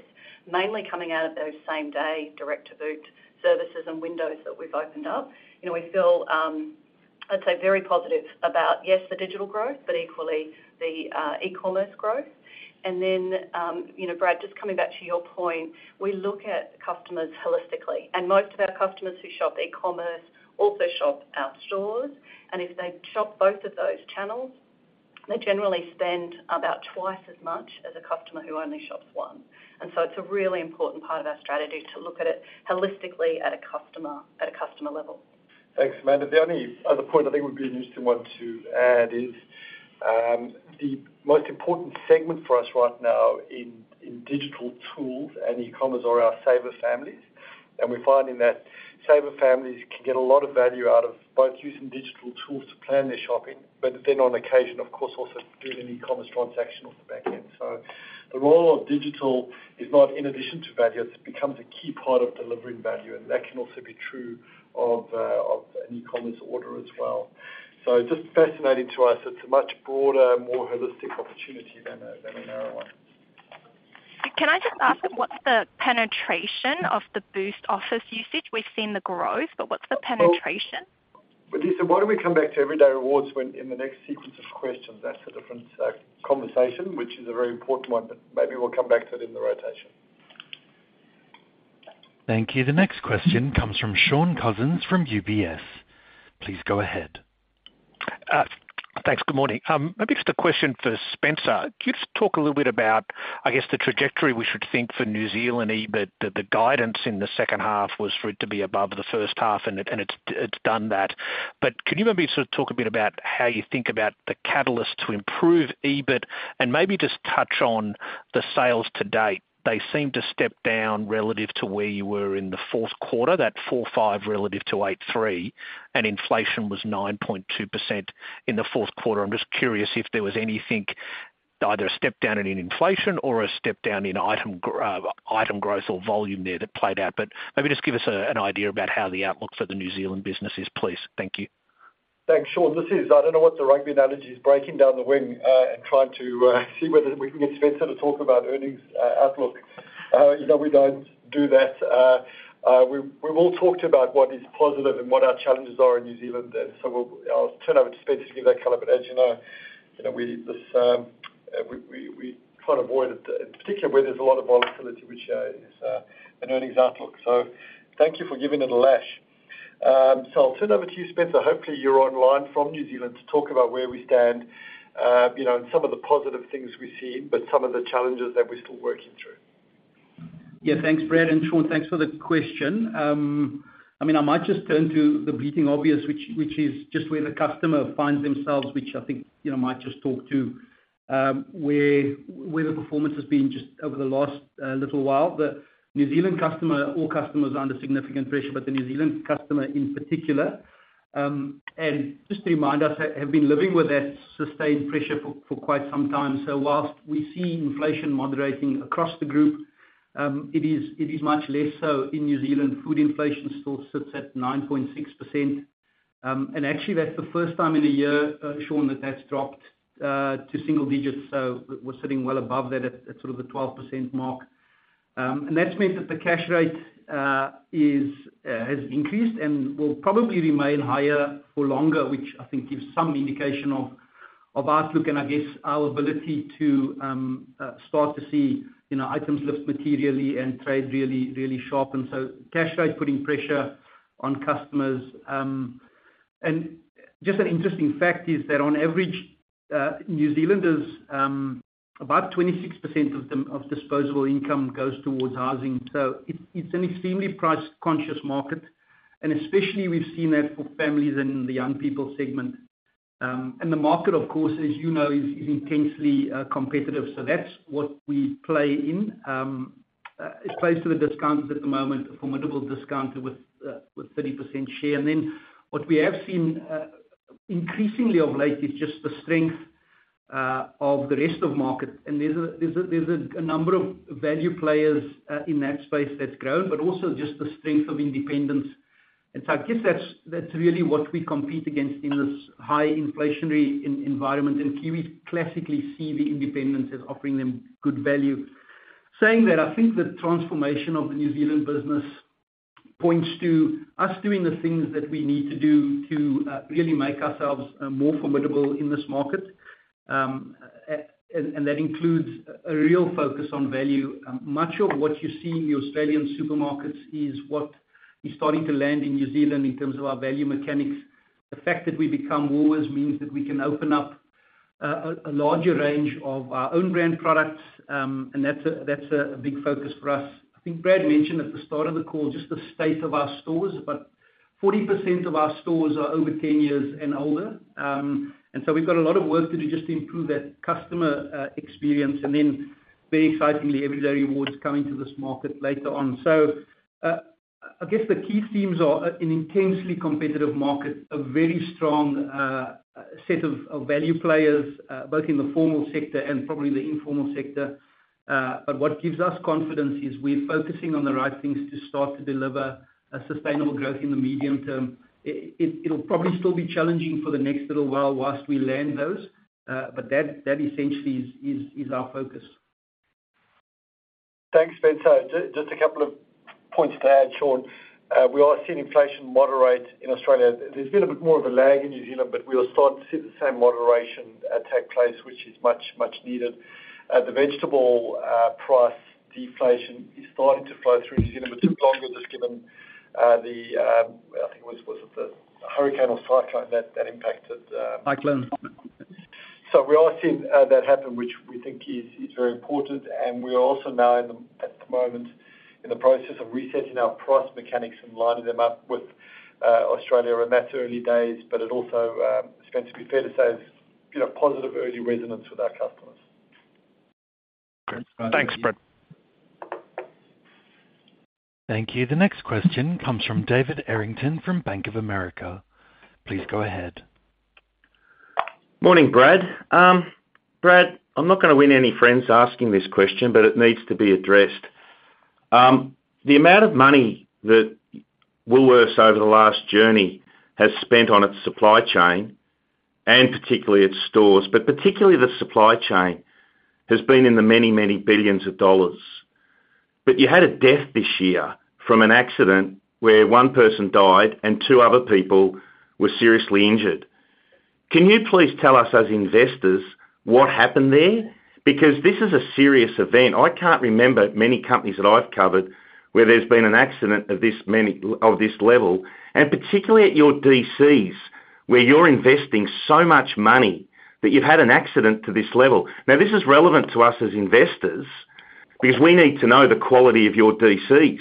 mainly coming out of those same-day direct-to-boot services and windows that we've opened up. You know, we feel, I'd say, very positive about, yes, the digital growth, but equally the e-commerce growth. You know, Brad, just coming back to your point, we look at customers holistically, and most of our customers who shop e-commerce also shop our stores. If they shop both of those channels, they generally spend about twice as much as a customer who only shops one. So it's a really important part of our strategy to look at it holistically at a customer, at a customer level. Thanks, Amanda. The only other point I think would be an interesting one to add is, the most important segment for us right now in, in digital tools and e-commerce are our Saver Families. We're finding that Saver Families can get a lot of value out of both using digital tools to plan their shopping, but then on occasion, of course, also doing an e-commerce transaction on the back end. The role of digital is not in addition to value, it becomes a key part of delivering value, and that can also be true of, of an e-commerce order as well. Just fascinating to us. It's a much broader, more holistic opportunity than a, than a narrow one. Can I just ask, what's the penetration of the Boost offer usage? We've seen the growth, but what's the penetration? Lisa, why don't we come back to Everyday Rewards in the next sequence of questions? That's a different conversation, which is a very important one, but maybe we'll come back to it in the rotation. Thank you. The next question comes from Shaun Cousins from UBS. Please go ahead. Thanks. Good morning. Maybe just a question for Spencer. Can you just talk a little bit about, I guess, the trajectory we should think for New Zealand EBIT? The guidance in the second half was for it to be above the first half, and it's done that. Could you maybe sort of talk a bit about how you think about the catalyst to improve EBIT and maybe just touch on the sales to date? They seem to step down relative to where you were in the fourth quarter, that 4.5 relative to 8.3, and inflation was 9.2% in the fourth quarter. I'm just curious if there was anything, either a step down in inflation or a step down in item growth or volume there that played out. Maybe just give us an idea about how the outlook for the New Zealand business is, please. Thank you. Thanks, Shaun. This is, I don't know what the rugby analogy is, breaking down the wing, and trying to see whether we can get Spencer to talk about earnings outlook. You know, we don't do that. We've, we've all talked about what is positive and what our challenges are in New Zealand, and so we'll I'll turn over to Spencer to give that color. As you know, you know, we, this, we, we, we try to avoid it, in particular, where there's a lot of volatility, which is an earnings outlook. Thank you for giving it a lash. I'll turn over to you, Spencer. Hopefully, you're online from New Zealand to talk about where we stand, you know, and some of the positive things we've seen, but some of the challenges that we're still working through. Yeah, thanks, Brad. Sean, thanks for the question. I mean, I might just turn to the bleeding obvious, which, which is just where the customer finds themselves, which I think, you know, might just talk to where, where the performance has been just over the last little while. The New Zealand customer. All customers are under significant pressure, but the New Zealand customer in particular, just to remind us, have been living with that sustained pressure for, for quite some time. Whilst we see inflation moderating across the group, it is, it is much less so in New Zealand. Food inflation still sits at 9.6%. Actually, that's the first time in a year, Sean, that that's dropped to single digits, so was sitting well above that at, at sort of the 12% mark. That's meant that the cash rate is, has increased and will probably remain higher for longer, which I think gives some indication of, of outlook and I guess our ability to, start to see, you know, items lift materially and trade really, really sharpen. Cash rate putting pressure on customers. Just an interesting fact is that on average, New Zealanders, about 26% of them, of disposable income goes towards housing. It's, it's an extremely price-conscious market, and especially we've seen that for families and the young people segment. The market, of course, as you know, is, is intensely competitive, so that's what we play in. It's close to the discounters at the moment, a formidable discounter with, with 30% share. What we have seen, increasingly of late is just the strength of the rest of market. There's a number of value players in that space that's grown, but also just the strength of independents. I guess that's, that's really what we compete against in this high inflationary environment, and Kiwis classically see the independents as offering them good value. Saying that, I think the transformation of the New Zealand business points to us doing the things that we need to do to really make ourselves more formidable in this market. And that includes a real focus on value. Much of what you see in the Australian supermarkets is what is starting to land in New Zealand in terms of our value mechanics. The fact that we've become Woolworths means that we can open up a larger range of our own brand products, and that's a, that's a big focus for us. I think Brad mentioned at the start of the call, just the state of our stores, about 40% of our stores are over 10 years and older. We've got a lot of work to do just to improve that customer experience. Very excitingly, Everyday Rewards is coming to this market later on. I guess the key themes are an intensely competitive market, a very strong set of value players, both in the formal sector and probably the informal sector. What gives us confidence is we're focusing on the right things to start to deliver a sustainable growth in the medium term. It, it, it'll probably still be challenging for the next little while while we land those, but that, that essentially is, is, is our focus. Thanks, Spencer. Just a couple of points to add, Shaun. We are seeing inflation moderate in Australia. There's been a bit more of a lag in New Zealand, but we are starting to see the same moderation take place, which is much, much needed. The vegetable price deflation is starting to flow through New Zealand. It took longer just given the, I think it was, was it the hurricane or cyclone that, that impacted. Mesclun. We are seeing that happen, which we think is, is very important. We are also now in the, at the moment, in the process of resetting our price mechanics and lining them up with Australia. That's early days, but it also is going to be fair to say, has, you know, positive early resonance with our customers. Thanks, Brad. Thank you. The next question comes from David Errington from Bank of America. Please go ahead. Morning, Brad. Brad, I'm not gonna win any friends asking this question, but it needs to be addressed. The amount of money that Woolworths, over the last journey, has spent on its supply chain, and particularly its stores, but particularly the supply chain, has been in the many, many billions of dollars. You had a death this year from an accident where 1 person died and 2 other people were seriously injured. Can you please tell us, as investors, what happened there? This is a serious event. I can't remember many companies that I've covered where there's been an accident of this level, and particularly at your DCs, where you're investing so much money, that you've had an accident to this level. This is relevant to us as investors, because we need to know the quality of your DCs.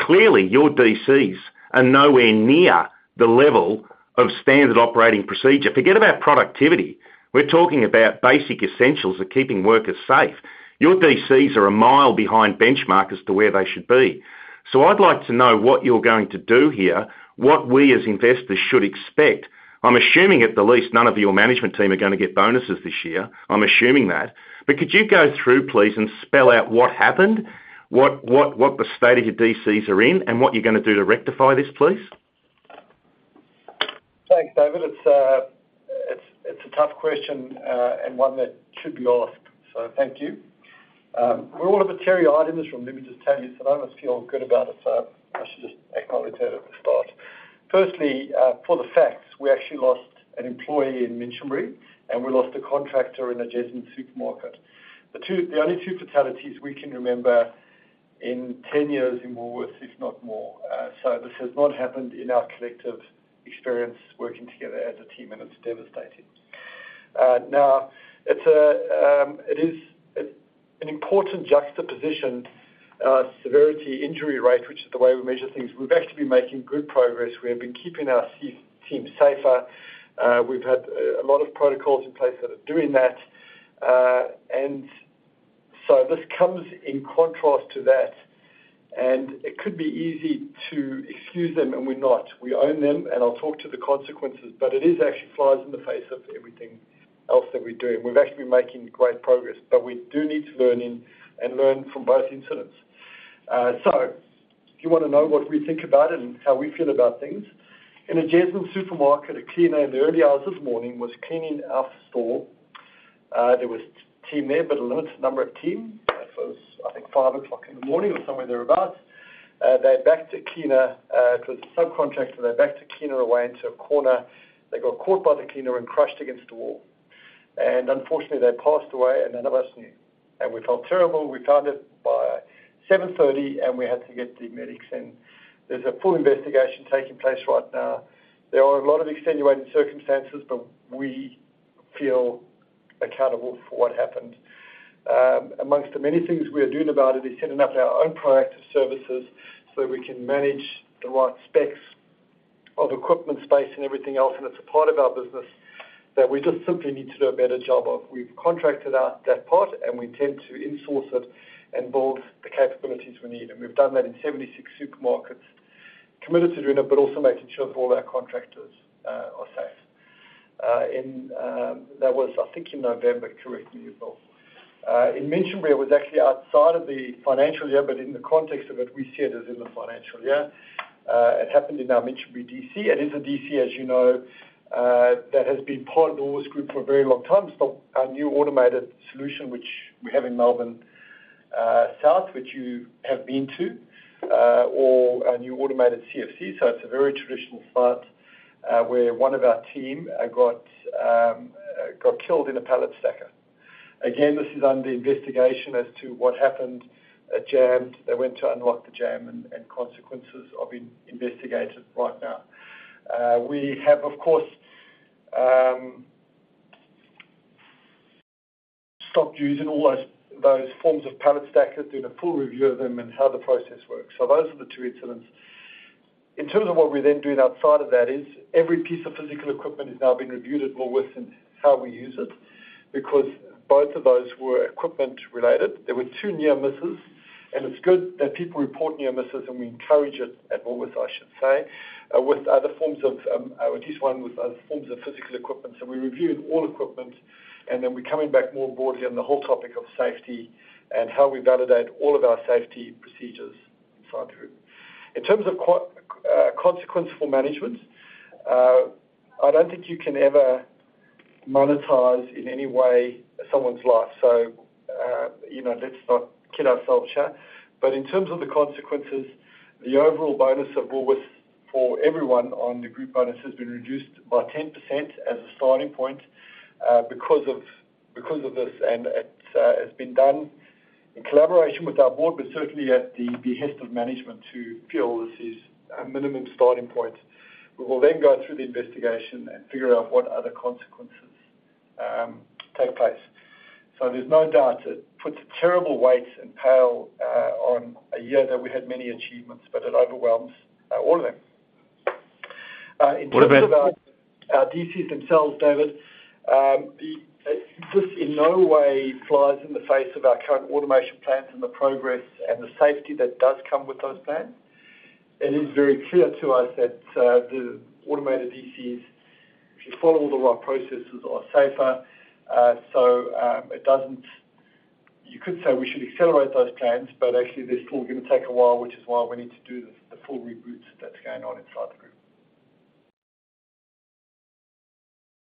Clearly, your DCs are nowhere near the level of standard operating procedure. Forget about productivity. We're talking about basic essentials of keeping workers safe. Your DCs are a mile behind benchmark as to where they should be. I'd like to know what you're going to do here, what we as investors should expect. I'm assuming, at the least, none of your management team are gonna get bonuses this year. I'm assuming that. Could you go through, please, and spell out what happened, what the state of your DCs are in, and what you're gonna do to rectify this, please? Thanks, David. It's a, it's, it's a tough question, and one that should be asked, so thank you. We're all terribly ardent in this room. Let me just tell you that I don't feel good about it, so I should just acknowledge that at the start. Firstly, for the facts, we actually lost an employee in Minchinbury, and we lost a contractor in Jandakot supermarket. The only 2 fatalities we can remember in 10 years in Woolworths, if not more. This has not happened in our collective experience working together as a team, and it's devastating. It's a, it is an important juxtaposition, severity, injury rate, which is the way we measure things. We've actually been making good progress. We have been keeping our team safer. We've had a lot of protocols in place that are doing that. This comes in contrast to that, and it could be easy to excuse them, and we're not. We own them, and I'll talk to the consequences, but it is actually flies in the face of everything else that we're doing. We've actually been making great progress, but we do need to learn and learn from both incidents. If you wanna know what we think about it and how we feel about things, in Jandakot supermarket, a cleaner in the early hours this morning was cleaning our store. There was team there, but a limited number of team. It was, I think, 5 o'clock in the morning or somewhere thereabout. They backed a cleaner, it was a subcontractor, they backed a cleaner away into a corner. They got caught by the cleaner and crushed against the wall, and unfortunately, they passed away, and none of us knew. We felt terrible. We found it by 7:30, and we had to get the medics in. There's a full investigation taking place right now. There are a lot of extenuating circumstances, but we feel accountable for what happened. Amongst the many things we are doing about it is setting up our own proactive services so we can manage the right specs of equipment, space, and everything else, and it's a part of our business that we just simply need to do a better job of. We've contracted out that part, and we tend to insource it and build the capabilities we need. We've done that in 76 supermarkets, committed to doing it, but also making sure that all our contractors are safe. In, that was, I think, in November, correct me if I'm wrong. In Minchinbury, it was actually outside of the financial year, but in the context of it, we see it as in the financial year. It happened in our Minchinbury DC. It is a DC, as you know, that has been part of Woolworths Group for a very long time. It's not our new automated solution, which we have in Melbourne South, which you have been to, or a new automated CFC. It's a very traditional site, where one of our team got killed in a pallet stacker. Again, this is under investigation as to what happened. It jammed. They went to unlock the jam, and consequences are being investigated right now. We have, of course, stopped using all those, those forms of pallet stackers, doing a full review of them and how the process works. Those are the two incidents. In terms of what we're then doing outside of that is every piece of physical equipment is now being reviewed at Woolworths and how we use it, because both of those were equipment related. There were two near misses, and it's good that people report near misses, and we encourage it at Woolworths, I should say, with other forms of, at least one with other forms of physical equipment. We reviewed all equipment, and then we're coming back more broadly on the whole topic of safety and how we validate all of our safety procedures inside the group. In terms of consequential management, I don't think you can ever monetize in any way someone's life, so, you know, let's not kill ourselves here. In terms of the consequences, the overall bonus of Woolworths for everyone on the group bonus has been reduced by 10% as a starting point, because of, because of this, and it has been done in collaboration with our board, but certainly at the behest of management to feel this is a minimum starting point. We will then go through the investigation and figure out what other consequences take place. There's no doubt it puts a terrible weight and pall on a year that we had many achievements, but it overwhelms all of them. In terms of our- What about-... our DCs themselves, David, this in no way flies in the face of our current automation plans and the progress and the safety that does come with those plans. It is very clear to us that the automated DCs, if you follow all the right processes, are safer. It doesn't... You could say we should accelerate those plans, but actually, they're still gonna take a while, which is why we need to do the, the full reboot that's going on inside the group.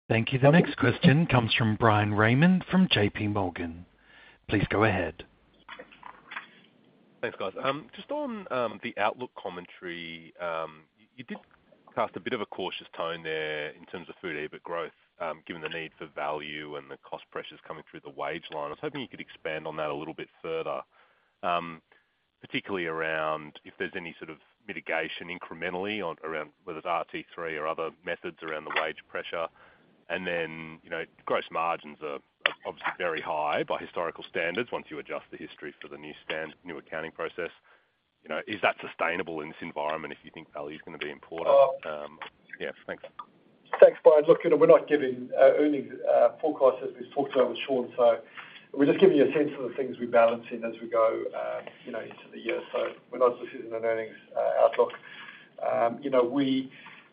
Thank you. The next question comes from Bryan Raymond, from JP Morgan. Please go ahead. Thanks, guys. Just on the outlook commentary, you did cast a bit of a cautious tone there in terms of food EBIT growth, given the need for value and the cost pressures coming through the wage line. I was hoping you could expand on that a little bit further, particularly around if there's any sort of mitigation incrementally on around whether it's RT3 or other methods around the wage pressure. Then, you know, gross margins are obviously very high by historical standards once you adjust the history for the new stand, new accounting process. You know, is that sustainable in this environment if you think value is gonna be important? Yeah, thanks. Thanks, Bryan. Look, you know, we're not giving earnings forecasts, as we've talked about with Shaun. We're just giving you a sense of the things we're balancing as we go, you know, into the year. We're not discussing an earnings outlook. You know, we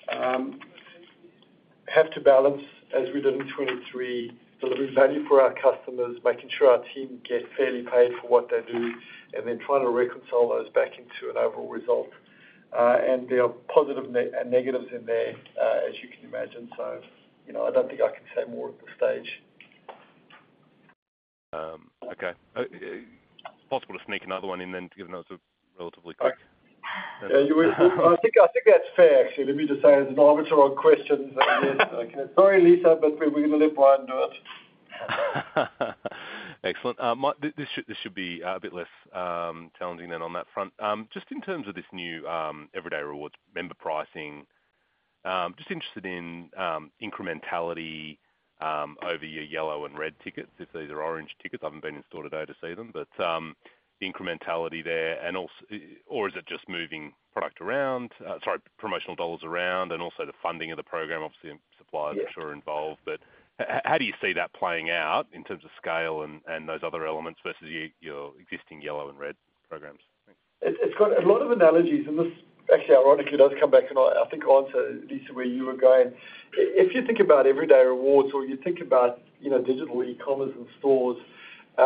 have to balance as we deliver 23, delivering value for our customers, making sure our team get fairly paid for what they do, and then trying to reconcile those back into an overall result. There are positive ne- and negatives in there, as you can imagine. You know, I don't think I can say more at this stage. Okay. It's possible to sneak another one in then, given those are relatively quick. Yeah, I think, I think that's fair, actually. Let me just say there's an arbitrary questions. Yes. Okay. Sorry, Lisa, but we, we're gonna let Bryan do it. Excellent. This should, this should be a bit less challenging then on that front. Just in terms of this new Everyday Rewards member pricing, just interested in incrementality over your yellow and red tickets, if these are orange tickets. I haven't been in store today to see them, but, the incrementality there and also... Or is it just moving product around? Sorry, promotional dollars around, and also the funding of the program. Obviously, suppliers- Yes... I'm sure, are involved. How do you see that playing out in terms of scale and, and those other elements versus your, your existing yellow and red programs? It, it's got a lot of analogies, and this actually, ironically, does come back, and I, I think, answer, Lisa, where you were going. I-if you think about Everyday Rewards or you think about, you know, digital e-commerce and stores,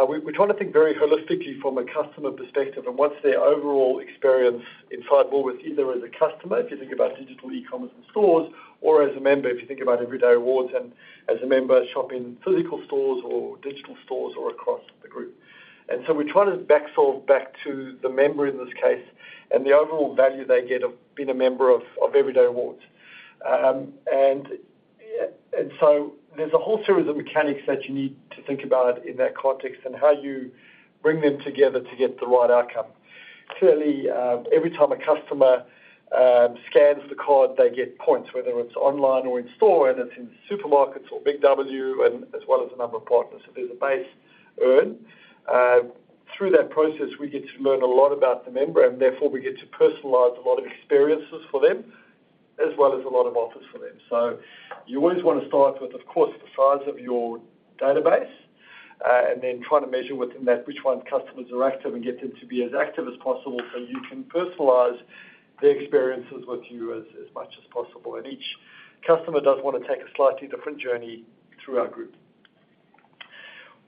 we, we're trying to think very holistically from a customer perspective and what's their overall experience inside Woolworths, either as a customer, if you think about digital e-commerce and stores, or as a member, if you think about Everyday Rewards, and as a member, shopping physical stores or digital stores or across the group. So we're trying to back solve back to the member in this case and the overall value they get of being a member of, of Everyday Rewards. So there's a whole series of mechanics that you need to think about in that context and how you bring them together to get the right outcome. Clearly, every time a customer scans the card, they get points, whether it's online or in store, and it's in supermarkets or Big W and as well as a number of partners. There's a base earn. Through that process, we get to learn a lot about the member, and therefore, we get to personalize a lot of experiences for them, as well as a lot of offers for them. You always want to start with, of course, the size of your database, and then try to measure within that which one customers are active and get them to be as active as possible, so you can personalize their experiences with you as much as possible. Each customer does want to take a slightly different journey through our group.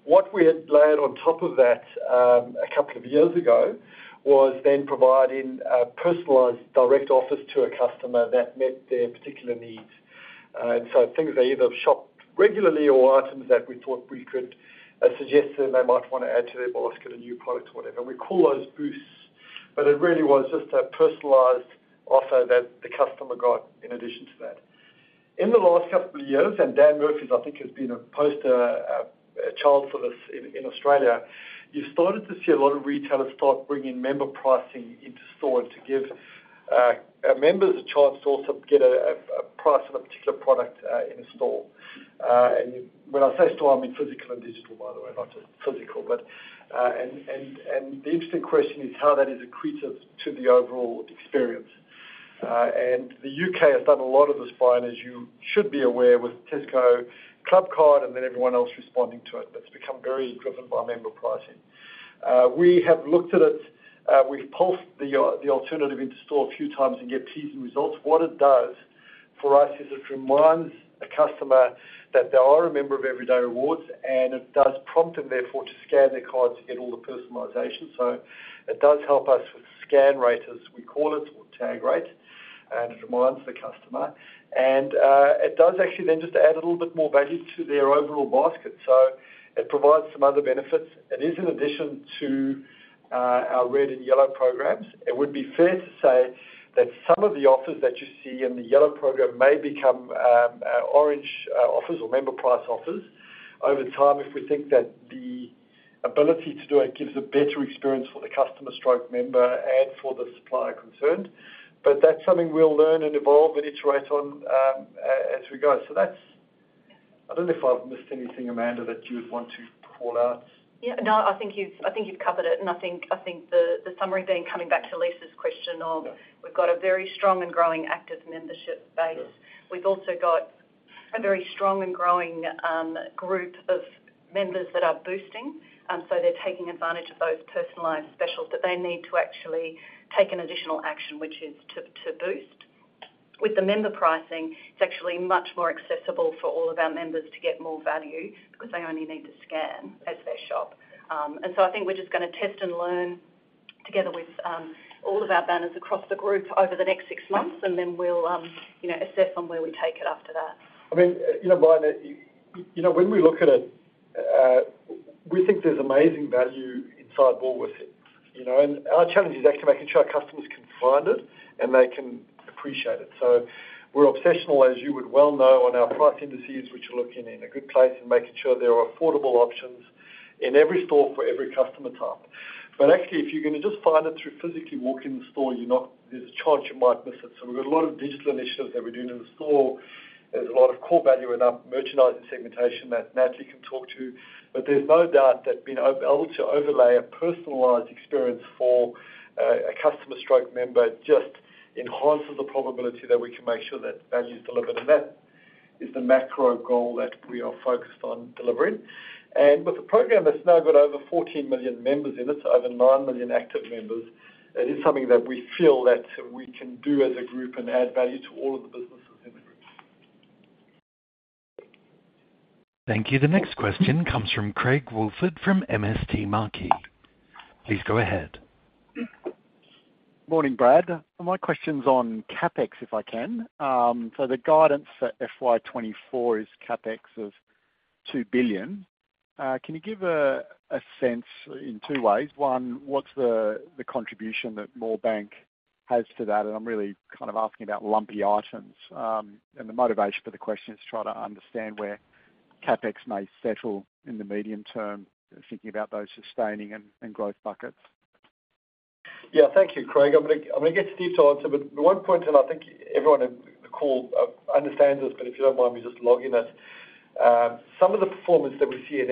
What we had layered on top of that, a couple of years ago, was then providing personalized direct offers to a customer that met their particular needs. Things they either shop regularly or items that we thought we could suggest that they might want to add to their basket of new products or whatever. We call those Boosts, but it really was just a personalized offer that the customer got in addition to that. In the last couple of years, Dan Murphy's, I think, has been a poster child for this in Australia, you've started to see a lot of retailers start bringing member pricing into store to give members a chance to also get a price on a particular product in a store. When I say store, I mean physical and digital, by the way, not just physical. The interesting question is how that is accretive to the overall experience. The UK has done a lot of this, Bryan Raymond, as you should be aware, with Tesco Clubcard and then everyone else responding to it. That's become very driven by member pricing. We have looked at it. We've pulsed the alternative into store a few times and get teasing results. What it does for us is it reminds a customer that they are a member of Everyday Rewards, and it does prompt them, therefore, to scan their card to get all the personalization. It does help us with scan rate, as we call it, or tag rate, and it reminds the customer. It does actually then just add a little bit more value to their overall basket. It provides some other benefits, and is in addition to our red and yellow programs. It would be fair to say that some of the offers that you see in the yellow program may become orange offers or member price offers over time, if we think that the ability to do it gives a better experience for the customer/member and for the supplier concerned. That's something we'll learn and evolve and iterate on, as we go. That's. I don't know if I've missed anything, Amanda, that you would want to call out? Yeah. No, I think you've, I think you've covered it, and I think, I think the, the summary being, coming back to Lisa's question of- Yeah. We've got a very strong and growing active membership base. Yeah. We've also got a very strong and growing group of members that are Boosting, so they're taking advantage of those personalized specials, but they need to actually take an additional action, which is to, to Boost. With the member pricing, it's actually much more accessible for all of our members to get more value because they only need to scan as they shop. I think we're just gonna test and learn together with all of our banners across the group over the next six months, and then we'll, you know, assess on where we take it after that. I mean, you know, Bryan, you know, when we look at it, we think there's amazing value inside Woolworths, you know. Our challenge is actually making sure our customers can find it, and they can appreciate it. We're obsessional, as you would well know, on our price indices, which are looking in a good place, and making sure there are affordable options in every store for every customer type. Actually, if you're gonna just find it through physically walking the store, you're not, there's a chance you might miss it. We've got a lot of digital initiatives that we're doing in the store. There's a lot of core value in our merchandising segmentation that Natalie can talk to, but there's no doubt that being able to overlay a personalized experience for a customer/member just enhances the probability that we can make sure that value is delivered, and that is the macro goal that we are focused on delivering. With a program that's now got over 14 million members in it, over 9 million active members, that is something that we feel that we can do as a group and add value to all of the businesses in the group. Thank you. The next question comes from Craig Woolford from MST Marquee. Please go ahead. Morning, Brad. My question's on CapEx, if I can. The guidance for FY 2024 is CapEx of 2 billion. Can you give a sense in two ways? One, what's the contribution that Moorebank has to that? I'm really kind of asking about lumpy items. The motivation for the question is to try to understand where CapEx may settle in the medium term, thinking about those sustaining and growth buckets. Yeah. Thank you, Craig. I'm gonna get Steve to answer, but the one point, and I think everyone in the call understands this, but if you don't mind me just logging it. Some of the performance that we see in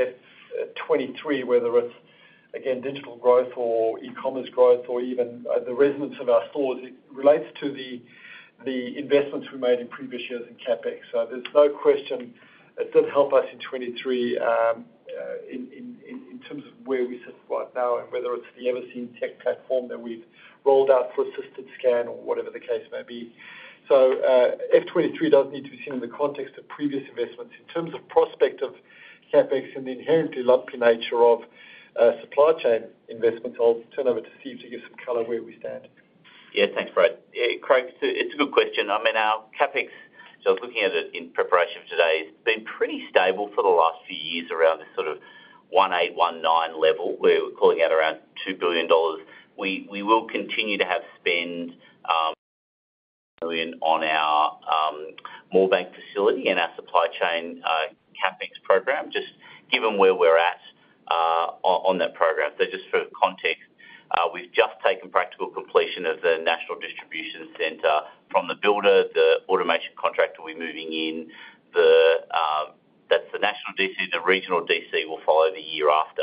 F23, whether it's, again, digital growth or e-commerce growth, or even the resonance of our stores, it relates to the investments we made in previous years in CapEx. There's no question it does help us in 23 in terms of where we sit right now, and whether it's the Everseen tech platform that we've rolled out for assisted scan or whatever the case may be. F23 does need to be seen in the context of previous investments. In terms of prospect of CapEx and the inherently lumpy nature of supply chain investments, I'll turn over to Steve to give some color where we stand. Yeah. Thanks, Brad. Craig, it's a, it's a good question. I mean, our CapEx, so looking at it in preparation for today, it's been pretty stable for the last few years around the sort of 1.8 billion-1.9 billion level, where we're calling out around 2 billion dollars. We, we will continue to have spend, million on our Moorebank facility and our supply chain CapEx program, just given where we're at on that program. So just for context, we've just taken practical completion of the national distribution center from the builder, the automation contractor will be moving in. The, that's the national DC, the regional DC, will follow the year after.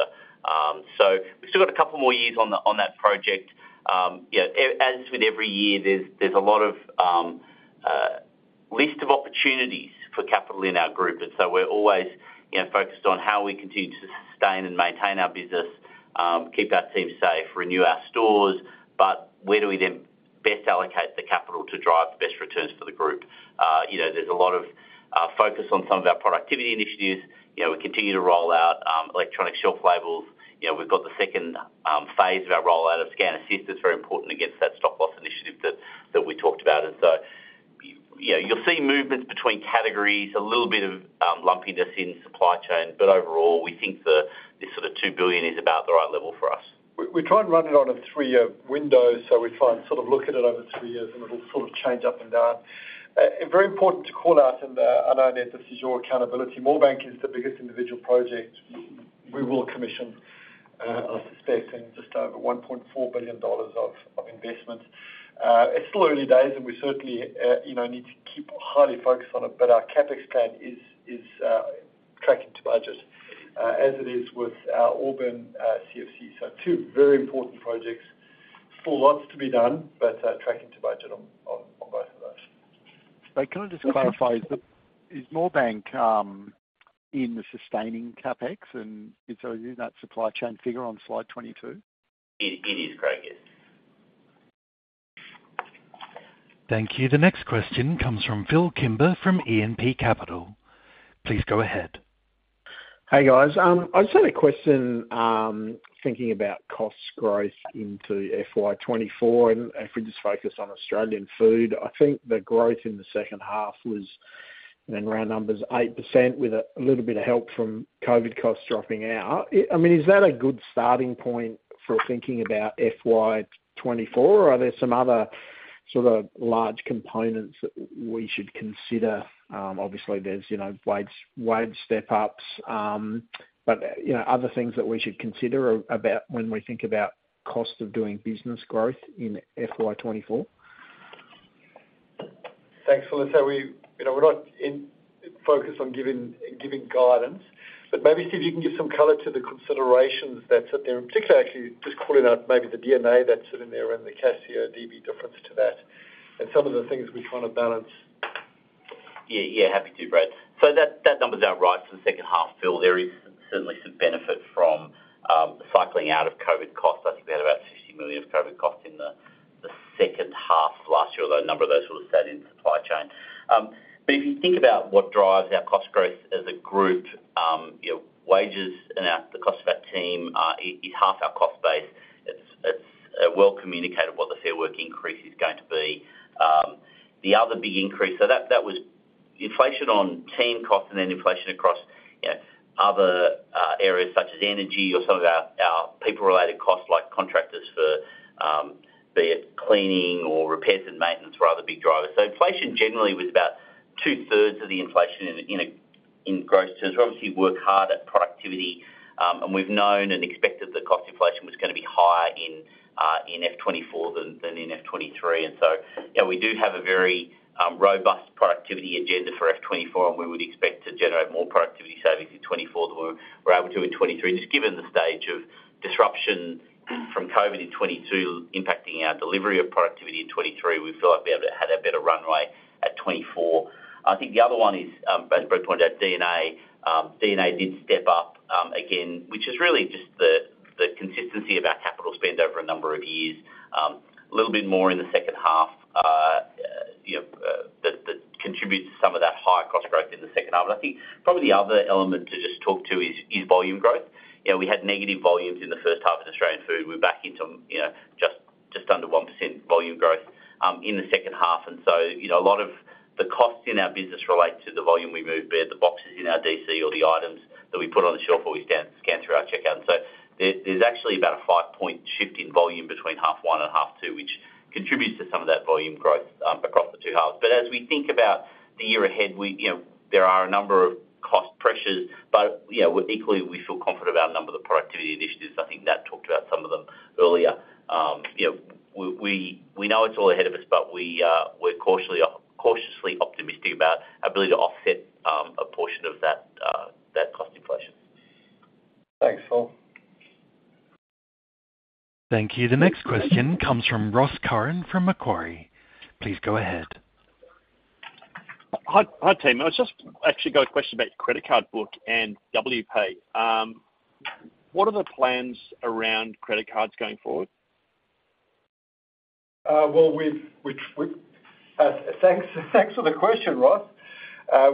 So we've still got a couple more years on the, on that project. Yeah, as with every year, there's, there's a lot of list of opportunities for capital in our group. So we're always, you know, focused on how we continue to sustain and maintain our business, keep our team safe, renew our stores. Where do we then best allocate the capital to drive the best returns for the group? You know, there's a lot of focus on some of our productivity initiatives. You know, we continue to roll out electronic shelf labels. You know, we've got the second phase of our rollout of Scan Assist. It's very important against that stock loss initiative that, that we talked about. You know, you'll see movements between categories, a little bit of lumpiness in supply chain, but overall, we think the, this sort of 2 billion is about the right level for us. We, we try and run it on a three-year window, so we try and sort of look at it over three years, and it'll sort of change up and down. Very important to call out, I know this is your accountability. Moorebank is the biggest individual project we will commission, I suspect, in just over 1.4 billion dollars of, of investment. It's still early days, and we certainly, you know, need to keep highly focused on it, but our CapEx plan is, is tracking to budget, as it is with our Auburn CFC. Two very important projects. Still lots to be done, but tracking to budget on, on, on both of those. Can I just clarify, is Moorebank in the sustaining CapEx, and so is in that supply chain figure on slide 22? It, it is, Craig, yes. Thank you. The next question comes from Phillip Kimber, from E&P Capital. Please go ahead. Hey, guys. I just had a question, thinking about costs growth into FY24, if we just focus on Australian Food. I think the growth in the second half was, then round numbers, 8%, with a little bit of help from COVID costs dropping out. I mean, is that a good starting point for thinking about FY24, or are there some other sort of large components that we should consider? Obviously, there's, you know, wage step-ups, but, you know, other things that we should consider about when we think about CODB growth in FY24? Thanks, Phil. We, you know, we're not focused on giving, giving guidance, but maybe, Steve, you can give some color to the considerations that sit there, and particularly actually just calling out maybe the D&A that's sitting there and the CODB difference to that, and some of the things we're trying to balance. Yeah. Yeah, happy to, Brad. That, that number's out right for the second half, Phil. There is certainly some benefit from cycling out of COVID costs. I think we had about 50 million of COVID costs in the second half of last year, although a number of those were sat in supply chain. But if you think about what drives our cost growth as a group, you know, wages and our- the cost of our team, is, is half our cost base. It's, it's well communicated what the Fair Work increase is going to be. The other big increase... That, that was inflation on team costs and then inflation across, you know, other areas such as energy or some of our, our people-related costs, like contractors for, be it cleaning or repairs and maintenance were other big drivers. Inflation generally was about two-thirds of the inflation in a, in growth terms. We obviously work hard at productivity, and we've known and expected that cost inflation was going to be higher in F24 than in F23. So, you know, we do have a very robust productivity agenda for F24, and to generate more productivity savings in 2024 than we were able to in 2023, just given the stage of disruption from COVID in 2022, impacting our delivery of productivity in 2023, we feel like we have had a better runway at 2024. I think the other one is, as Brad pointed out, D&A. D&A did step up again, which is really just the consistency of our capital spend over a number of years. A little bit more in the second half, you know, that, that contributes to some of that higher cost growth in the second half. I think probably the other element to just talk to is, is volume growth. You know, we had negative volumes in the first half of Australian food. We're back into, you know, just, just under 1% volume growth in the second half. You know, a lot of the costs in our business relate to the volume we move, be it the boxes in our DC or the items that we put on the shelf, or we scan, scan through our checkout. There, there's actually about a 5-point shift in volume between half one and half two, which contributes to some of that volume growth across the two halves. As we think about the year ahead, we, you know, there are a number of cost pressures, but, you know, we're equally we feel confident about a number of the productivity initiatives. I think Nat talked about some of them earlier. You know, we, we, we know it's all ahead of us, but we, we're cautiously, cautiously optimistic about our ability to offset, a portion of that, that cost inflation. Thanks, Phil. Thank you. The next question comes from Ross Curran from Macquarie. Please go ahead. Hi, hi, team. I was just actually got a question about your credit card book and Wpay. What are the plans around credit cards going forward? Well, we've, we, we, thanks, thanks for the question, Ross.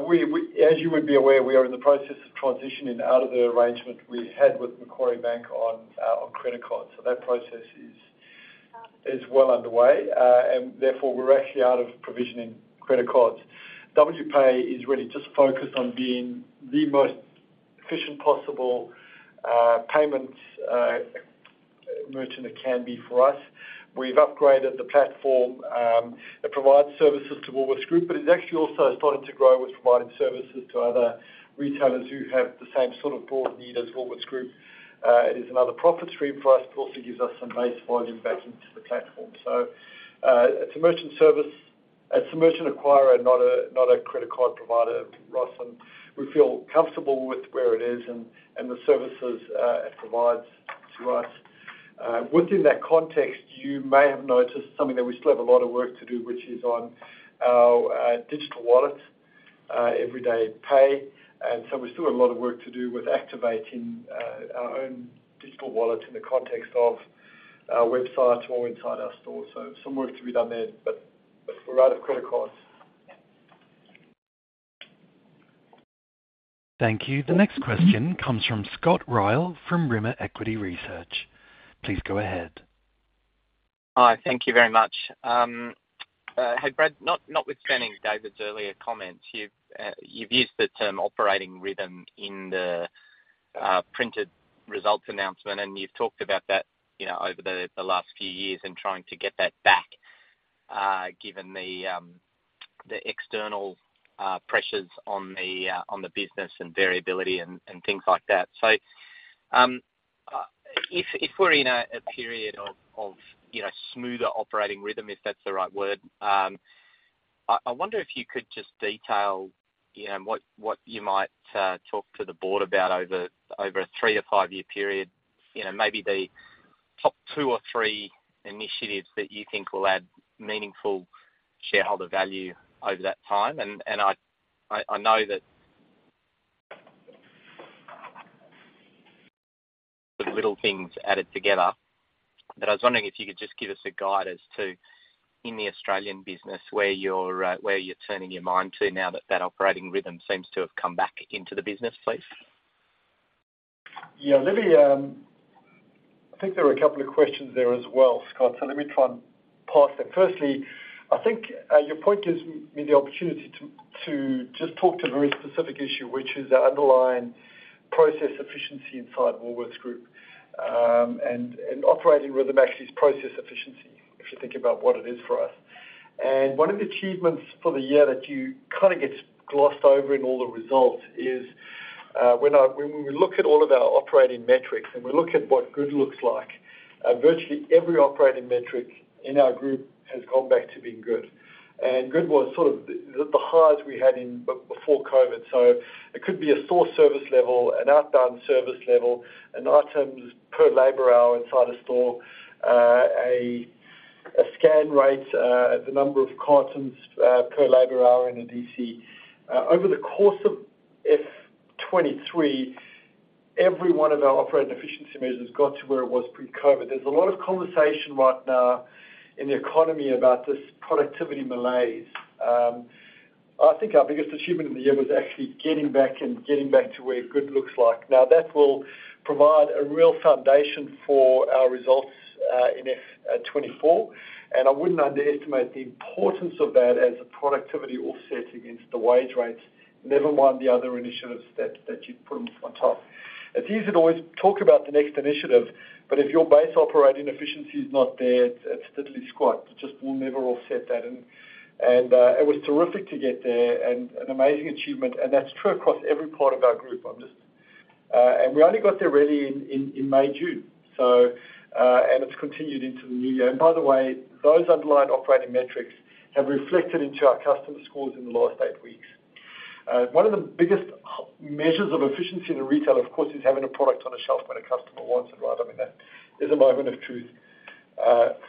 We, we as you would be aware, we are in the process of transitioning out of the arrangement we had with Macquarie Bank on, on credit cards. That process is, is well underway, and therefore, we're actually out of provisioning credit cards. Wpay is really just focused on being the most efficient possible, payments, merchant it can be for us. We've upgraded the platform, it provides services to Woolworths Group, but it's actually also starting to grow with providing services to other retailers who have the same sort of broad need as Woolworths Group. It is another profit stream for us, but also gives us some base volume back into the platform. It's a merchant service. It's a merchant acquirer, not a, not a credit card provider, Ross, and we feel comfortable with where it is and the services it provides to us. Within that context, you may have noticed something that we still have a lot of work to do, which is on our digital wallet, Everyday Pay. We've still got a lot of work to do with activating our own digital wallet in the context of our websites or inside our stores. Some work to be done there, but we're out of credit cards. Thank you. The next question comes from Ryall from Rimor Equity Research. Please go ahead. Hi, thank you very much. Hey, Brad, notwithstanding David's earlier comments, you've used the term operating rhythm in the printed results announcement, and you've talked about that, you know, over the last few years and trying to get that back given the external pressures on the business and variability and things like that. If we're in a period of, you know, smoother operating rhythm, if that's the right word, I wonder if you could just detail, you know, what you might talk to the board about over a three- or five-year period, you know, maybe the top two or three initiatives that you think will add meaningful shareholder value over that time. I, I, I know that the little things added together, but I was wondering if you could just give us a guide as to, in the Australian business, where you're, where you're turning your mind to now that that operating rhythm seems to have come back into the business, please. Yeah, let me, I think there are a couple of questions there as well, Scott, so let me try and park them. Firstly, I think your point gives me the opportunity to just talk to a very specific issue, which is the underlying process efficiency inside Woolworths Group. Operating rhythm actually is process efficiency, if you think about what it is for us. One of the achievements for the year that you kind of gets glossed over in all the results is when we look at all of our operating metrics and we look at what good looks like, virtually every operating metric in our group has gone back to being good. Good was sort of the, the highs we had before COVID. It could be a store service level, an outbound service level, an items per labor hour inside a store, a, a scan rate, the number of cartons, per labor hour in a DC. Over the course of F23, every one of our operating efficiency measures got to where it was pre-COVID. There's a lot of conversation right now in the economy about this productivity malaise. I think our biggest achievement in the year was actually getting back and getting back to where good looks like. That will provide a real foundation for our results, in F24, and I wouldn't underestimate the importance of that as a productivity offset against the wage rates, never mind the other initiatives that, that you'd put them on top. It's easy to always talk about the next initiative, but if your base operating efficiency is not there, it's diddly squat. It just will never offset that. And it was terrific to get there and an amazing achievement, and that's true across every part of our group. I'm just-...We only got there really in, in, in May, June. And it's continued into the new year. By the way, those underlying operating metrics have reflected into our customer scores in the last eight weeks. One of the biggest measures of efficiency in retail, of course, is having a product on a shelf when a customer wants it, right? I mean, that is a moment of truth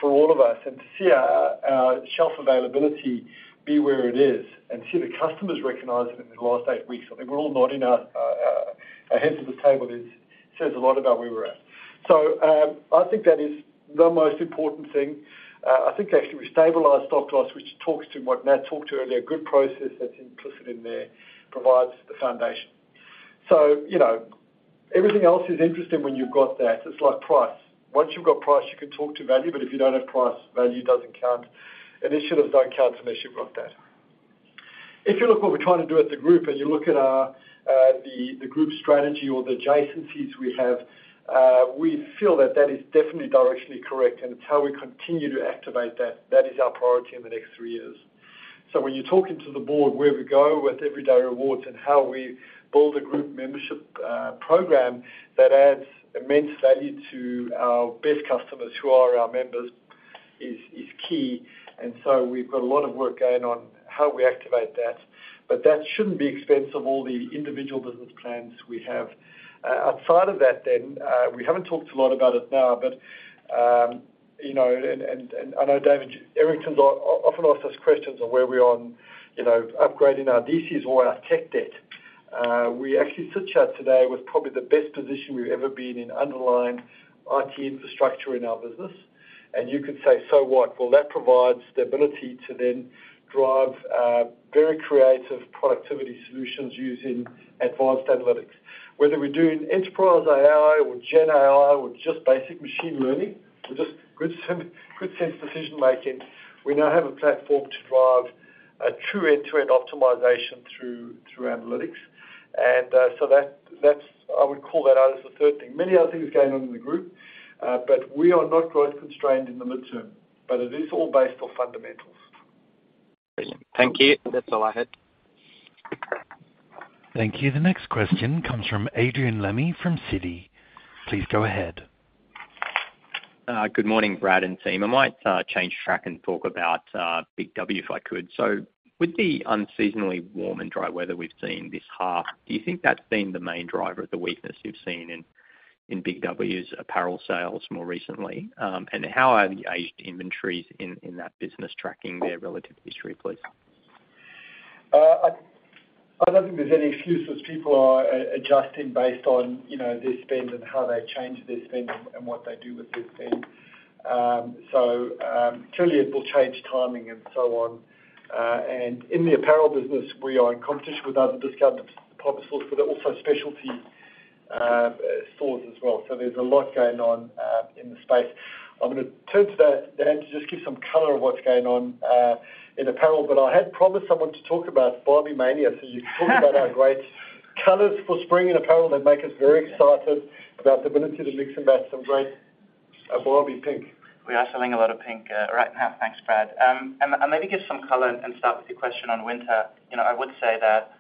for all of us. To see our, our shelf availability be where it is and see the customers recognize it in the last eight weeks, I think we're all nodding our, our heads to the table. It says a lot about where we're at. I think that is the most important thing. I think actually we stabilized stock loss, which talks to what Matt talked to earlier, a good process that's implicit in there provides the foundation. You know, everything else is interesting when you've got that. It's like price. Once you've got price, you can talk to value, but if you don't have price, value doesn't count, and it should have done count, and I should have got that. If you look what we're trying to do at the Group, and you look at our, the Group strategy or the adjacencies we have, we feel that that is definitely directionally correct, and it's how we continue to activate that. That is our priority in the next 3 years. When you're talking to the Board, where we go with Everyday Rewards and how we build a Group membership, program that adds immense value to our best customers, who are our members, is, is key. We've got a lot of work going on how we activate that. That shouldn't be expensive, all the individual business plans we have. Outside of that, then, we haven't talked a lot about it now, but, you know, and I know David Errington often asks us questions on where we are on, you know, upgrading our DCs or our tech debt. We actually sit here today with probably the best position we've ever been in underlying IT infrastructure in our business, and you could say, so what? Well, that provides the ability to then drive very creative productivity solutions using advanced analytics. Whether we're doing enterprise AI or Gen AI or just basic machine learning, or just good sense decision making, we now have a platform to drive a true end-to-end optimization through, through analytics. So that, that's I would call that out as the third thing. Many other things going on in the group, but we are not growth constrained in the midterm, but it is all based on fundamentals. Thank you. That's all I had. Thank you. The next question comes from Adrian Lemme from Citi. Please go ahead. Good morning, Brad and team. I might change track and talk about Big W, if I could. So with the unseasonally warm and dry weather we've seen this half, do you think that's been the main driver of the weakness you've seen in, in Big W's apparel sales more recently? How are the aged inventories in, in that business tracking there relative to history, please? I, I don't think there's any excuse, as people are a-adjusting based on, you know, their spend and how they change their spend and what they do with their spend. Clearly, it will change timing and so on. In the apparel business, we are in competition with other discount department stores, but they're also specialty stores as well. There's a lot going on in the space. I'm gonna turn to that, Dan, to just give some color on what's going on in apparel, but I had promised someone to talk about Barbie Mania. You can talk about our great colors for spring and apparel that make us very excited about the ability to mix and match some great Barbie pink. We are selling a lot of pink right now. Thanks, Brad. Maybe give some color and start with your question on winter. You know, I would say that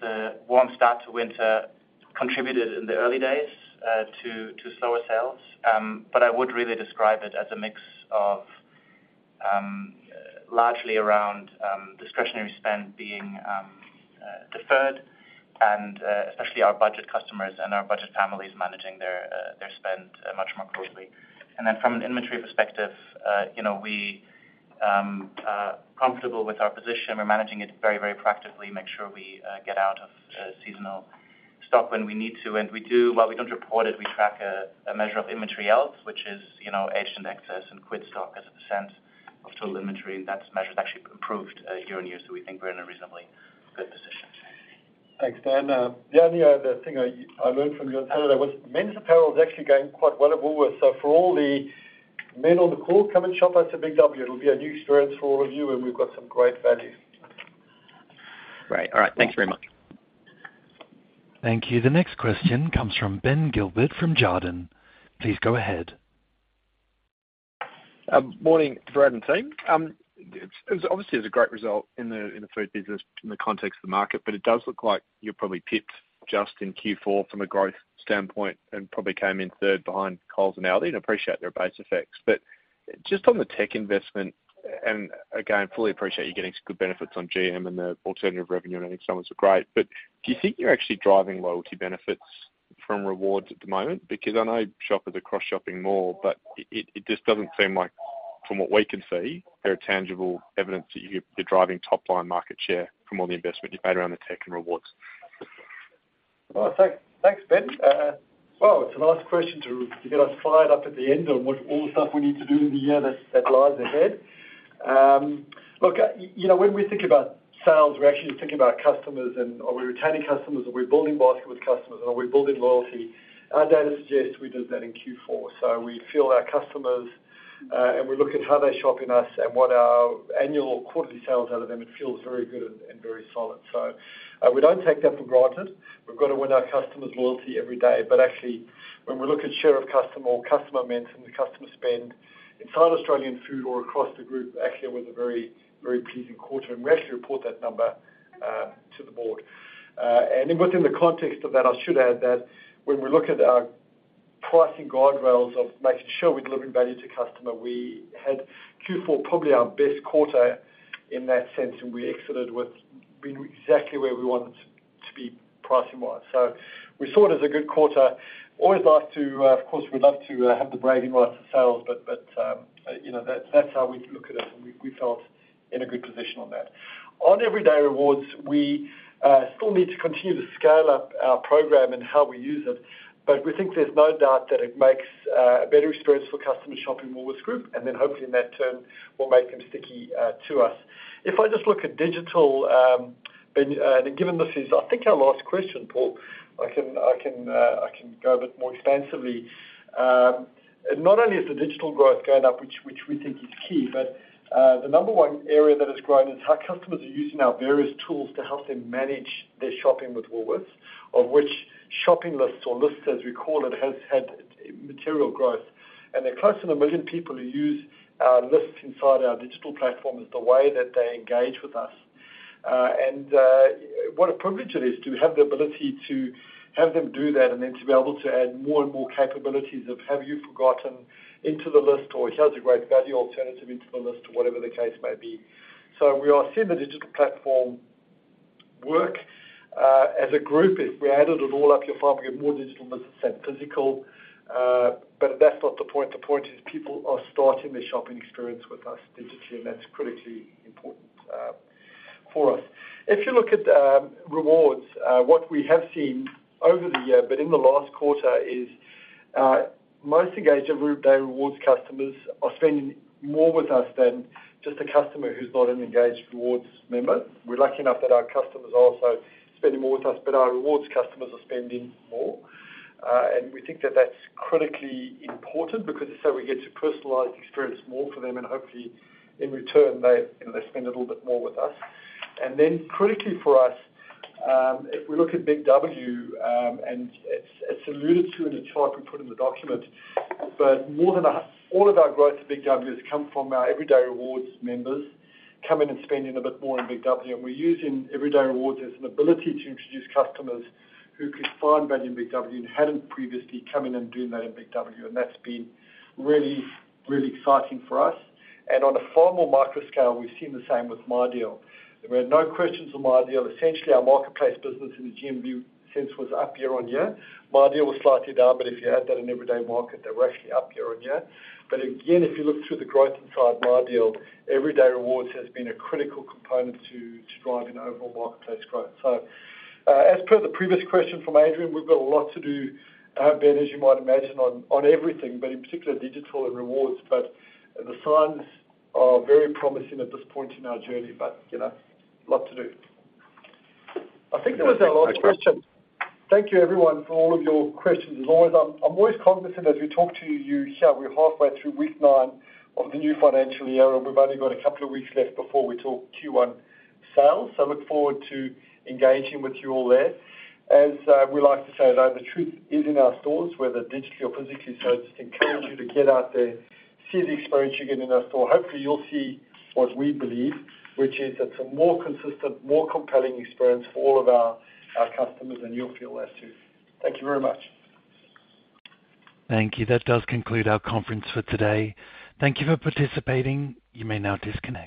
the warm start to winter contributed in the early days to slower sales. I would really describe it as a mix of largely around discretionary spend being deferred and especially our budget customers and our budget families managing their spend much more closely. Then from an inventory perspective, you know, we are comfortable with our position. We're managing it very, very practically, make sure we get out of seasonal stock when we need to. We do... While we don't report it, we track a measure of inventory health, which is, you know, aged excess and quit stock as a % of total inventory, and that measure has actually improved year-on-year, so we think we're in a reasonably good position. Thanks, Dan. The only other thing I, I learned from you on Saturday was men's apparel is actually going quite well at Woolworths. For all the men on the call, come and shop at the Big W. It'll be a new experience for all of you, and we've got some great value. Great. All right. Thanks very much. Thank you. The next question comes from Ben Gilbert, from Jarden. Please go ahead. Morning, Brad and team. It's, it was obviously, it was a great result in the, in the food business in the context of the market, but it does look like you're probably pipped just in Q4 from a growth standpoint and probably came in 3rd behind Coles and ALDI, and appreciate their base effects. Just on the tech investment, and again, fully appreciate you're getting some good benefits on GM and the alternative revenue, and I think some are great. Do you think you're actually driving loyalty benefits from Everyday Rewards at the moment? I know shoppers are cross-shopping more, but it, it just doesn't seem like from what we can see, there are tangible evidence that you're, you're driving top-line market share from all the investment you've made around the tech and Everyday Rewards. Oh, thanks. Thanks, Ben. Well, it's a nice question to get us fired up at the end on what all the stuff we need to do in the year that lies ahead. Look, you know, when we think about sales, we're actually thinking about customers. Are we retaining customers? Are we building basket with customers? Are we building loyalty? Our data suggests we did that in Q4. We feel our customers, and we look at how they shop in us and what our annual quarterly sales out of them, it feels very good and very solid. We don't take that for granted. We've got to win our customers' loyalty every day. Actually, when we look at share of customer or customer momentum, the customer spend inside Australian Food or across the group, actually, it was a very, very pleasing quarter, and we actually report that number to the board. Then within the context of that, I should add that when we look at our pricing guardrails of making sure we're delivering value to customer. We had Q4 probably our best quarter in that sense, and we exited with being exactly where we wanted to be pricing-wise. We saw it as a good quarter. Always like to, of course, we'd love to have the bragging rights of sales, but, you know, that's, that's how we look at it, and we, we felt in a good position on that. On Everyday Rewards, we still need to continue to scale up our program and how we use it, but we think there's no doubt that it makes a better experience for customers shopping Woolworths Group, and then hopefully in that turn, will make them sticky to us. If I just look at digital, and given this is, I think, our last question, Paul, I can, I can, I can go a bit more extensively. Not only is the digital growth going up, which, which we think is key, but the number one area that has grown is how customers are using our various tools to help them manage their shopping with Woolworths, of which shopping lists or lists, as we call it, has had material growth. There are close to 1 million people who use our lists inside our digital platform as the way that they engage with us. And what a privilege it is to have the ability to have them do that, and then to be able to add more and more capabilities of, "Have you forgotten?" into the list, or, "Here's a great value alternative," into the list, or whatever the case may be. We are seeing the digital platform work. As a group, if we added it all up, you'll probably get more digital lists than physical, but that's not the point. The point is people are starting their shopping experience with us digitally, and that's critically important for us. If you look at Rewards, what we have seen over the year, but in the last quarter, is most engaged Everyday Rewards customers are spending more with us than just a customer who's not an engaged Rewards member. We're lucky enough that our customers are also spending more with us, but our Rewards customers are spending more. We think that that's critically important because it's how we get to personalize experience more for them, and hopefully, in return, they, you know, they spend a little bit more with us. Then critically for us, if we look at Big W, and it's, it's alluded to in a chart we put in the document, but more than all of our growth at Big W has come from our Everyday Rewards members coming and spending a bit more in Big W. We're using Everyday Rewards as an ability to introduce customers who could find value in Big W and hadn't previously come in and doing that in Big W, and that's been really, really exciting for us. On a far more micro scale, we've seen the same with MyDeal. We had no questions on MyDeal. Essentially, our marketplace business in the GMV sense was up year-on-year. MyDeal was slightly down, but if you add that in Everyday Market, they were actually up year-on-year. Again, if you look through the growth inside MyDeal, Everyday Rewards has been a critical component to driving overall marketplace growth. As per the previous question from Adrian, we've got a lot to do, Ben, as you might imagine, on everything, but in particular, digital and rewards. The signs are very promising at this point in our journey, but, you know, a lot to do. I think that was our last question. Thank you, everyone, for all of your questions. As always, I'm always cognizant as we talk to you here, we're halfway through week nine of the new financial year, and we've only got a couple of weeks left before we talk Q1 sales. I look forward to engaging with you all there. As we like to say, that the truth is in our stores, whether digitally or physically. I just encourage you to get out there, see the experience you get in our store. Hopefully, you'll see what we believe, which is it's a more consistent, more compelling experience for all of our customers, and you'll feel that, too. Thank you very much. Thank you. That does conclude our conference for today. Thank you for participating. You may now disconnect.